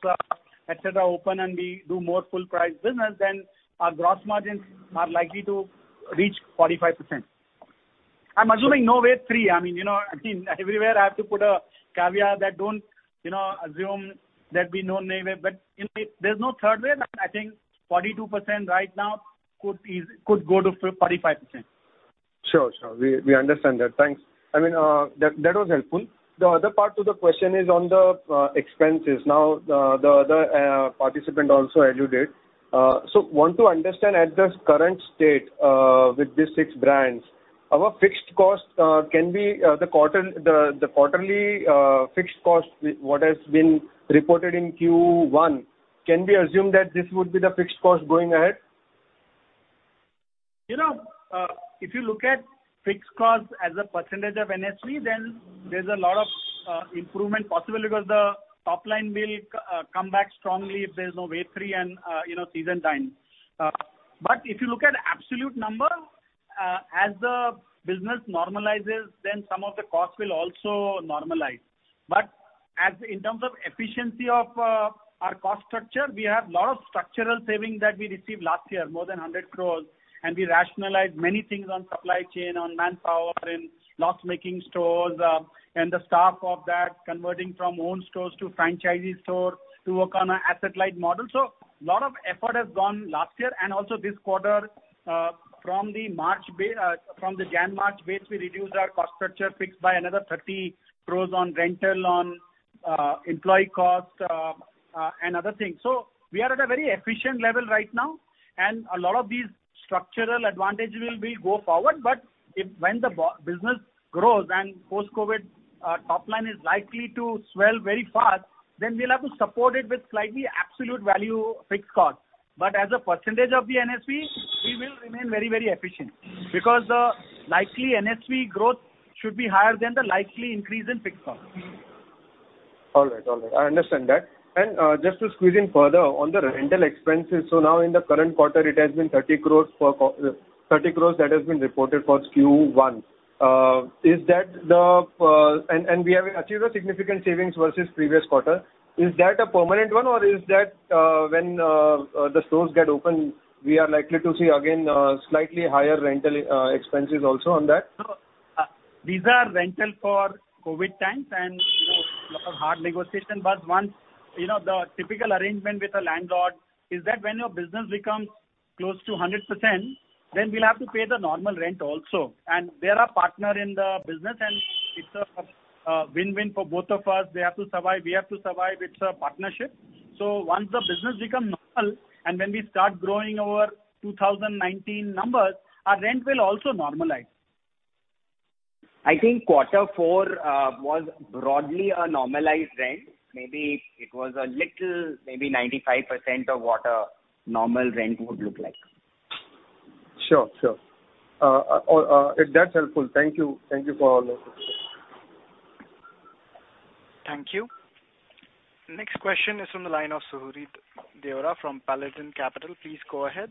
et cetera, open and we do more full price business, then our gross margins are likely to reach 45%. I'm assuming no wave three. Everywhere I have to put a caveat that don't assume there'd be no new wave. There's no third wave, and I think 42% right now could go to 45%. Sure. We understand that. Thanks. That was helpful. The other part to the question is on the expenses. The other participant also alluded. Want to understand at the current state with these six brands, our fixed cost, can the quarterly fixed cost, what has been reported in Q1, can we assume that this would be the fixed cost going ahead? If you look at fixed cost as a percentage of NSV, there's a lot of improvement possible because the top line will come back strongly if there's no wave three and season time. If you look at absolute number, as the business normalizes, some of the costs will also normalize. In terms of efficiency of our cost structure, we have lot of structural saving that we received last year, more than 100 crores, and we rationalized many things on supply chain, on manpower, in loss-making stores, and the staff of that converting from owned stores to franchisee stores to work on a asset-light model. Lot of effort has gone last year and also this quarter from the January-March base, we reduced our cost structure fixed by another 30 crores on rental on employee cost and other things. We are at a very efficient level right now, and a lot of these structural advantages will go forward. When the business grows and post-COVID top line is likely to swell very fast, then we'll have to support it with slightly absolute value fixed cost. As a percentage of the NSV, we will remain very efficient, because likely NSV growth should be higher than the likely increase in fixed cost. All right. I understand that. Just to squeeze in further on the rental expenses. Now in the current quarter, it has been 30 crores that has been reported for Q1. We have achieved a significant savings versus previous quarter. Is that a permanent one or is that when the stores get open, we are likely to see again, slightly higher rental expenses also on that? No. These are rental for COVID times and a lot of hard negotiation, but once the typical arrangement with the landlord is that when your business becomes close to 100%, then we'll have to pay the normal rent also. They're a partner in the business, and it's a win-win for both of us. They have to survive, we have to survive. It's a partnership. Once the business become normal, and when we start growing our 2019 numbers, our rent will also normalize. I think quarter four was broadly a normalized rent. Maybe it was a little, maybe 95% of what a normal rent would look like. Sure. That's helpful. Thank you. Thank you for all the input. Thank you. Next question is from the line of Suhrid Deorah from Paladin Capital. Please go ahead.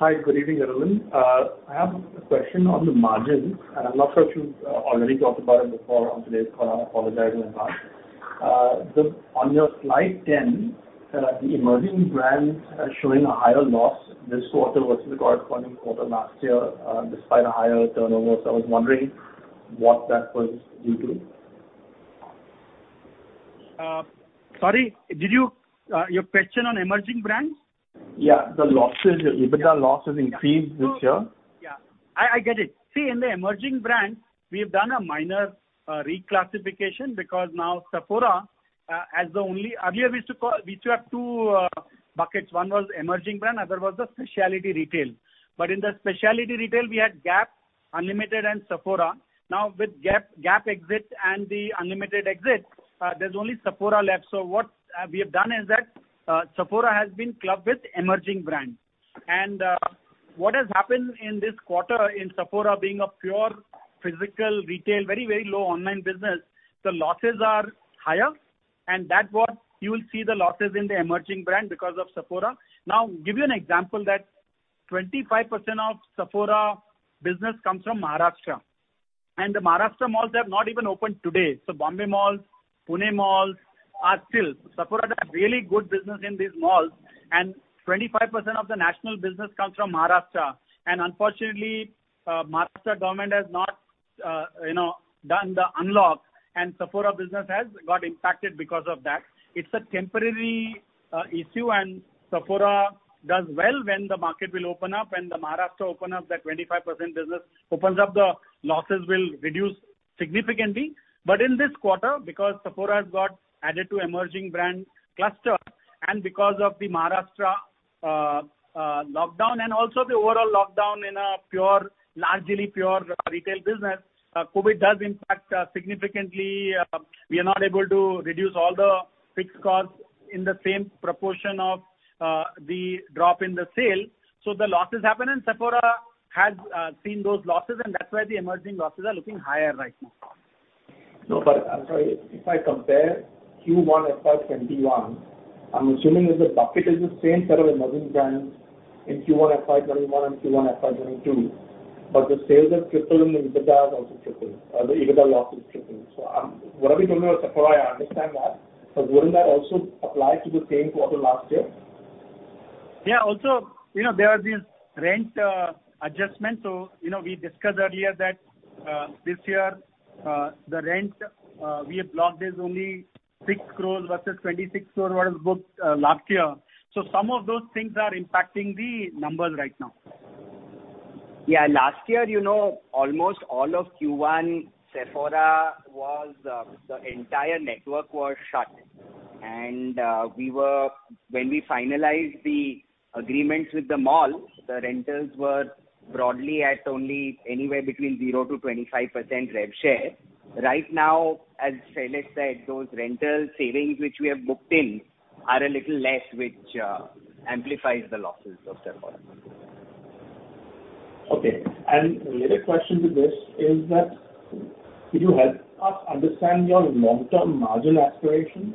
Hi. Good evening, everyone. I have a question on the margin, and I'm not sure if you already talked about it before on today's call. I apologize in advance. On your slide 10, the emerging brands are showing a higher loss this quarter versus the corresponding quarter last year, despite a higher turnover. I was wondering what that was due to. Sorry, your question on emerging brands? Yeah. The EBITDA loss has increased this year. Yeah. I get it. In the emerging brand, we've done a minor reclassification because now Sephora. Earlier we used to have two buckets. One was emerging brand, other was the specialty retail. In the specialty retail, we had Gap, Unlimited, and Sephora. With Gap exit and the Unlimited exit, there's only Sephora left. What we have done is that Sephora has been clubbed with emerging brand. What has happened in this quarter in Sephora being a pure physical retail, very low online business, the losses are higher, and that's what you will see the losses in the emerging brand because of Sephora. Give you an example that 25% of Sephora business comes from Maharashtra, and the Maharashtra malls have not even opened today. Bombay malls, Pune malls are still. Sephora had really good business in these malls. 25% of the national business comes from Maharashtra. Unfortunately, Maharashtra government has not done the unlock and Sephora business has got impacted because of that. It's a temporary issue. Sephora does well when the market will open up, when Maharashtra open up, that 25% business opens up, the losses will reduce significantly. In this quarter, because Sephora has got added to emerging brand cluster and because of the Maharashtra lockdown, also the overall lockdown in a largely pure retail business, COVID does impact significantly. We are not able to reduce all the fixed costs in the same proportion of the drop in the sale. The losses happen. Sephora has seen those losses. That's why the emerging losses are looking higher right now. I'm sorry, if I compare Q1 FY 2021, I'm assuming that the bucket is the same set of emerging brands in Q1 FY 2021 and Q1 FY 2022. The sales have tripled and the EBITDA has also tripled, or the EBITDA loss has tripled. What are we doing with Sephora, I understand that, but wouldn't that also apply to the same quarter last year? Yeah. Also, there are these rent adjustments. We discussed earlier that this year, the rent we have blocked is only 6 crores versus 26 crore what is booked last year. Some of those things are impacting the numbers right now. Yeah. Last year, almost all of Q1, Sephora, the entire network was shut. When we finalized the agreements with the malls, the rentals were broadly at only anywhere between 0%-25% rev share. Right now, as Shailesh said, those rental savings which we have booked in are a little less, which amplifies the losses of Sephora. Okay. Related question to this is that could you help us understand your long-term margin aspirations?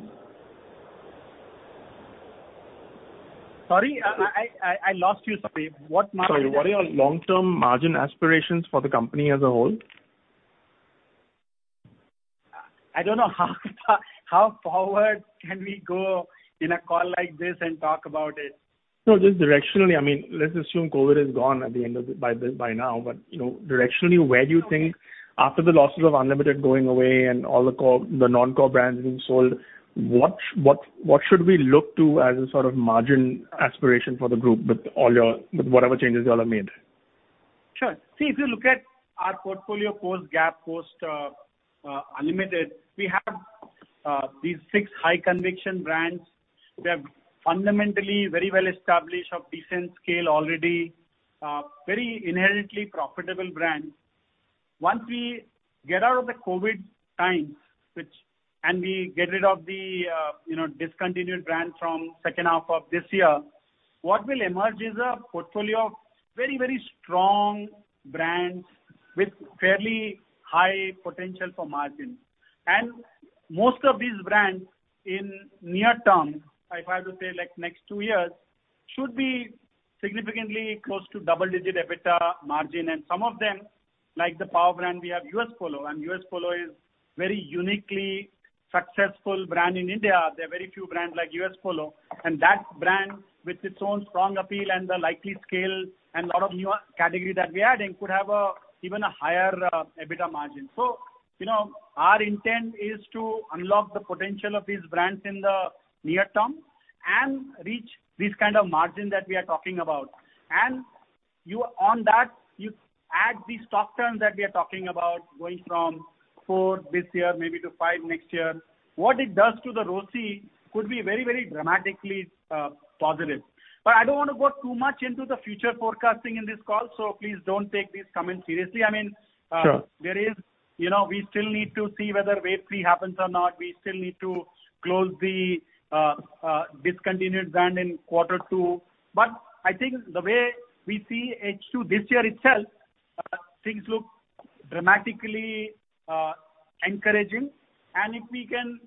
Sorry? I lost you. Sorry. What margin? Sorry. What are your long-term margin aspirations for the company as a whole? I don't know how forward can we go in a call like this and talk about it? Just directionally, let's assume COVID is gone by now. Directionally, where do you think after the losses of Unlimited going away and all the non-core brands being sold, what should we look to as a sort of margin aspiration for the group with whatever changes you all have made? Sure. If you look at our portfolio post Gap, post Unlimited, we have these six high conviction brands that are fundamentally very well established, of decent scale already, very inherently profitable brands. Once we get out of the COVID times, we get rid of the discontinued brand from the second half of this year, what will emerge is a portfolio of very strong brands with fairly high potential for margin. Most of these brands in near term, if I have to say like next two years, should be significantly close to double-digit EBITDA margin, and some of them, like the power brand we have, U.S. Polo, and U.S. Polo is a very uniquely successful brand in India. There are very few brands like U.S. Polo Assn., that brand, with its own strong appeal and the likely scale and lot of new category that we're adding, could have even a higher EBITDA margin. Our intent is to unlock the potential of these brands in the near term and reach this kind of margin that we are talking about. On that, you add the stock turns that we are talking about, going from four this year maybe to five next year. What it does to the ROCE could be very dramatically positive. I don't want to go too much into the future forecasting in this call, so please don't take these comments seriously. Sure. We still need to see whether wave three happens or not. We still need to close the discontinued brand in quarter two. I think the way we see H2 this year itself, things look dramatically encouraging. If we can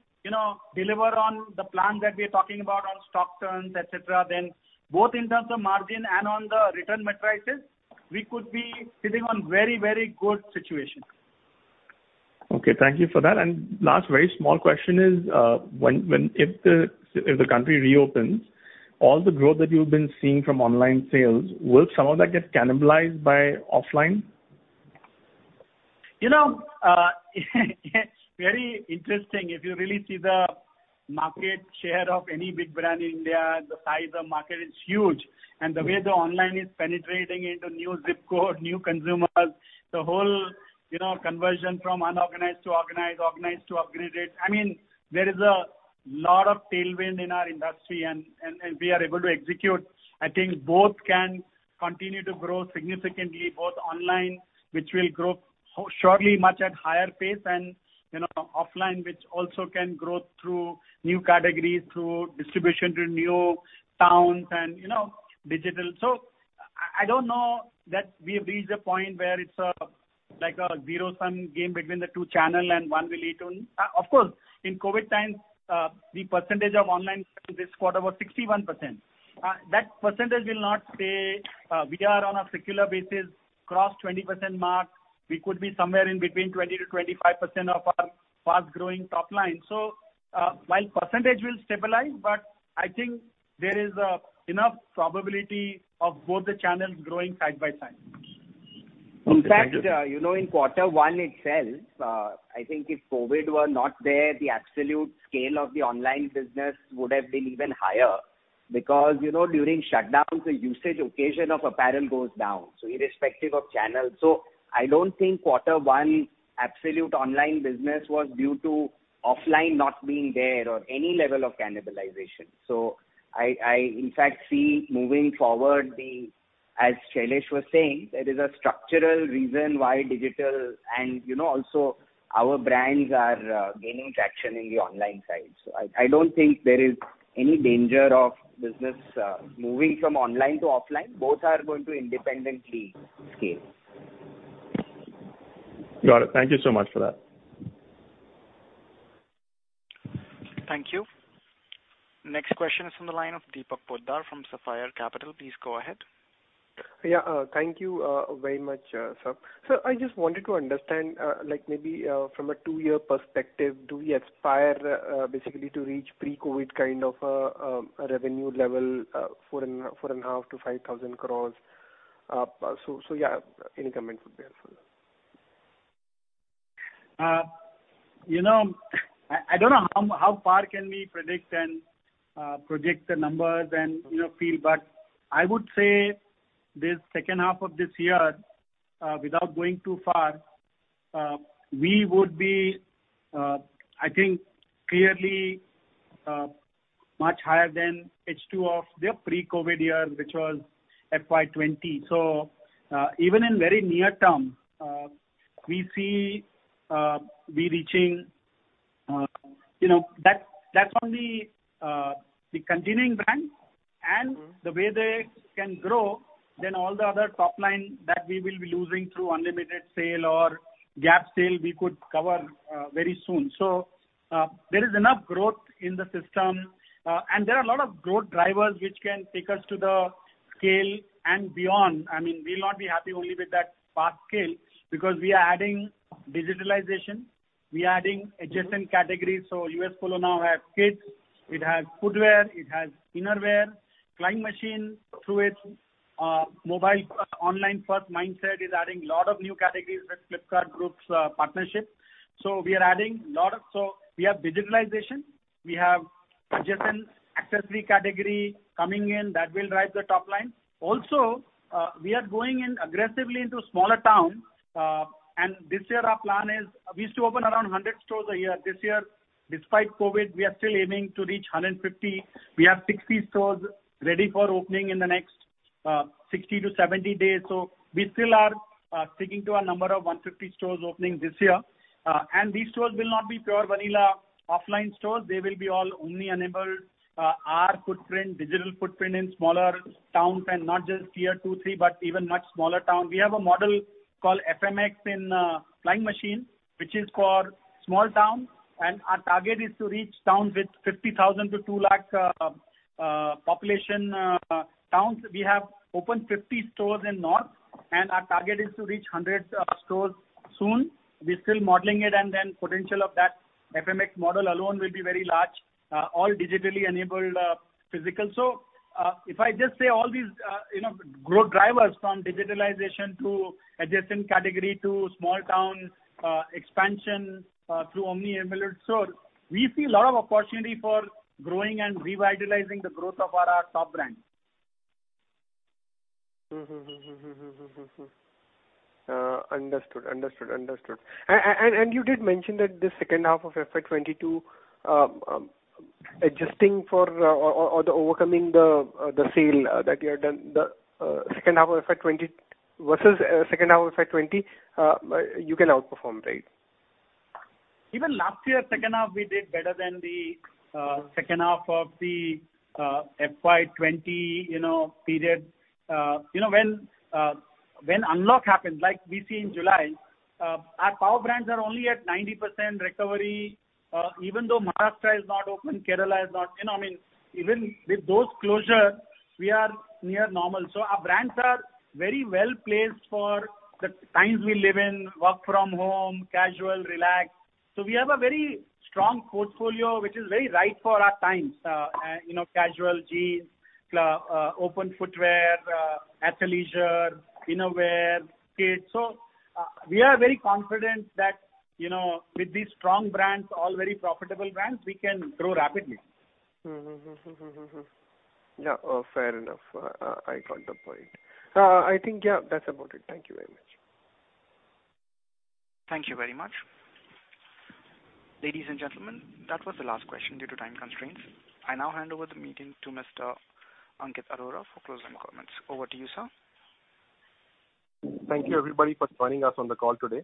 deliver on the plan that we're talking about on stock turns, et cetera, then both in terms of margin and on the return metrics, we could be sitting on very good situations. Okay. Thank you for that. Last very small question is, if the country reopens, all the growth that you've been seeing from online sales, will some of that get cannibalized by offline? It's very interesting. If you really see the market share of any big brand in India, the size of market is huge, and the way the online is penetrating into new zip code, new consumers, the whole conversion from unorganized to organized to upgraded. There is a lot of tailwind in our industry, and we are able to execute. I think both can continue to grow significantly, both online, which will grow shortly much at higher pace, and offline, which also can grow through new categories, through distribution to new towns, and digital. I don't know that we have reached a point where it's like a zero-sum game between the two channel and one will eat on. Of course, in COVID times, the percentage of online sales this quarter was 61%. That percentage will not stay. We are on a secular basis, crossed 20% mark. We could be somewhere in between 20% to 25% of our fast-growing top line. While percentage will stabilize, but I think there is enough probability of both the channels growing side by side. Okay. In fact, in quarter one itself, I think if COVID were not there, the absolute scale of the online business would have been even higher because, during shutdown, the usage occasion of apparel goes down, so irrespective of channel. I don't think quarter one absolute online business was due to offline not being there or any level of cannibalization. I, in fact, see moving forward, as Shailesh was saying, there is a structural reason why digital and also our brands are gaining traction in the online side. I don't think there is any danger of business moving from online to offline. Both are going to independently scale. Got it. Thank you so much for that. Thank you. Next question is from the line of Deepak Poddar from Sapphire Capital. Please go ahead. Yeah. Thank you very much, sir. Sir, I just wanted to understand, like maybe from a two-year perspective, do we aspire basically to reach pre-COVID kind of a revenue level, 4,500 crore-5,000 crore? Yeah, any comments would be helpful. I don't know how far can we predict the numbers and feel, but I would say this second half of this year, without going too far, we would be, I think, clearly much higher than H2 of their pre-COVID year, which was FY 2020. Even in very near term, we see we reaching That's only the continuing brand, and the way they can grow, then all the other top line that we will be losing through Unlimited sale or Gap sale, we could cover very soon. There is enough growth in the system. There are a lot of growth drivers which can take us to the scale and beyond. We'll not be happy only with that fast scale, because we are adding digitalization, we are adding adjacent categories. U.S. Polo Assn. now has kids. It has footwear. It has innerwear. Flying Machine through its mobile first, online first mindset is adding lot of new categories with Flipkart Group's partnership. We are adding lot of. We have digitalization, we have adjacent accessory category coming in, that will drive the top line. We are going in aggressively into smaller towns, and this year our plan is, we used to open around 100 stores a year. This year, despite COVID, we are still aiming to reach 150. We have 60 stores ready for opening in the next 60-70 days. We still are sticking to our number of 150 stores opening this year. These stores will not be pure vanilla offline stores. They will be all omni-enabled. Our digital footprint will be in smaller towns, and not just Tier 2, 3, but even much smaller towns. We have a model called FMX in Flying Machine, which is for small towns. Our target is to reach towns with 50,000 to 200,000 population. We have opened 50 stores in north. Our target is to reach 100 stores soon. We're still modeling it. Potential of that FMX model alone will be very large. All digitally enabled physical. If I just say all these growth drivers from digitalization to adjacent category to small town expansion through omni-enabled stores, we see a lot of opportunity for growing and revitalizing the growth of our top brands. Understood. You did mention that the second half of FY 2022, adjusting for or overcoming the sale that you have done, versus second half of FY 2020, you can outperform, right? Even last year, second half, we did better than the second half of the FY 2020 period. When unlock happened, like we see in July, our power brands are only at 90% recovery. Even though Maharashtra is not open, Kerala is not, even with those closures, we are near normal. Our brands are very well-placed for the times we live in, work from home, casual, relaxed. We have a very strong portfolio, which is very right for our times, casual jeans, open footwear, athleisure, innerwear, kids. We are very confident that with these strong brands, all very profitable brands, we can grow rapidly. Yeah. Fair enough. I got the point. I think, yeah, that's about it. Thank you very much. Thank you very much. Ladies and gentlemen, that was the last question due to time constraints. I now hand over the meeting to Mr. Ankit Arora for closing comments. Over to you, sir. Thank you, everybody, for joining us on the call today.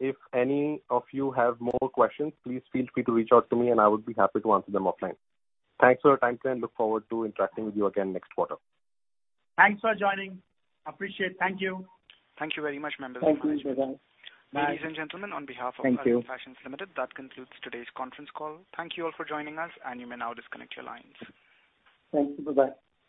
If any of you have more questions, please feel free to reach out to me, and I would be happy to answer them offline. Thanks for your time today, and look forward to interacting with you again next quarter. Thanks for joining. Appreciate. Thank you. Thank you very much, members. Thanks. Bye-bye. Ladies and gentlemen. Thank you. Arvind Fashions Limited, that concludes today's conference call. Thank you all for joining us, and you may now disconnect your lines. Thank you. Bye-bye.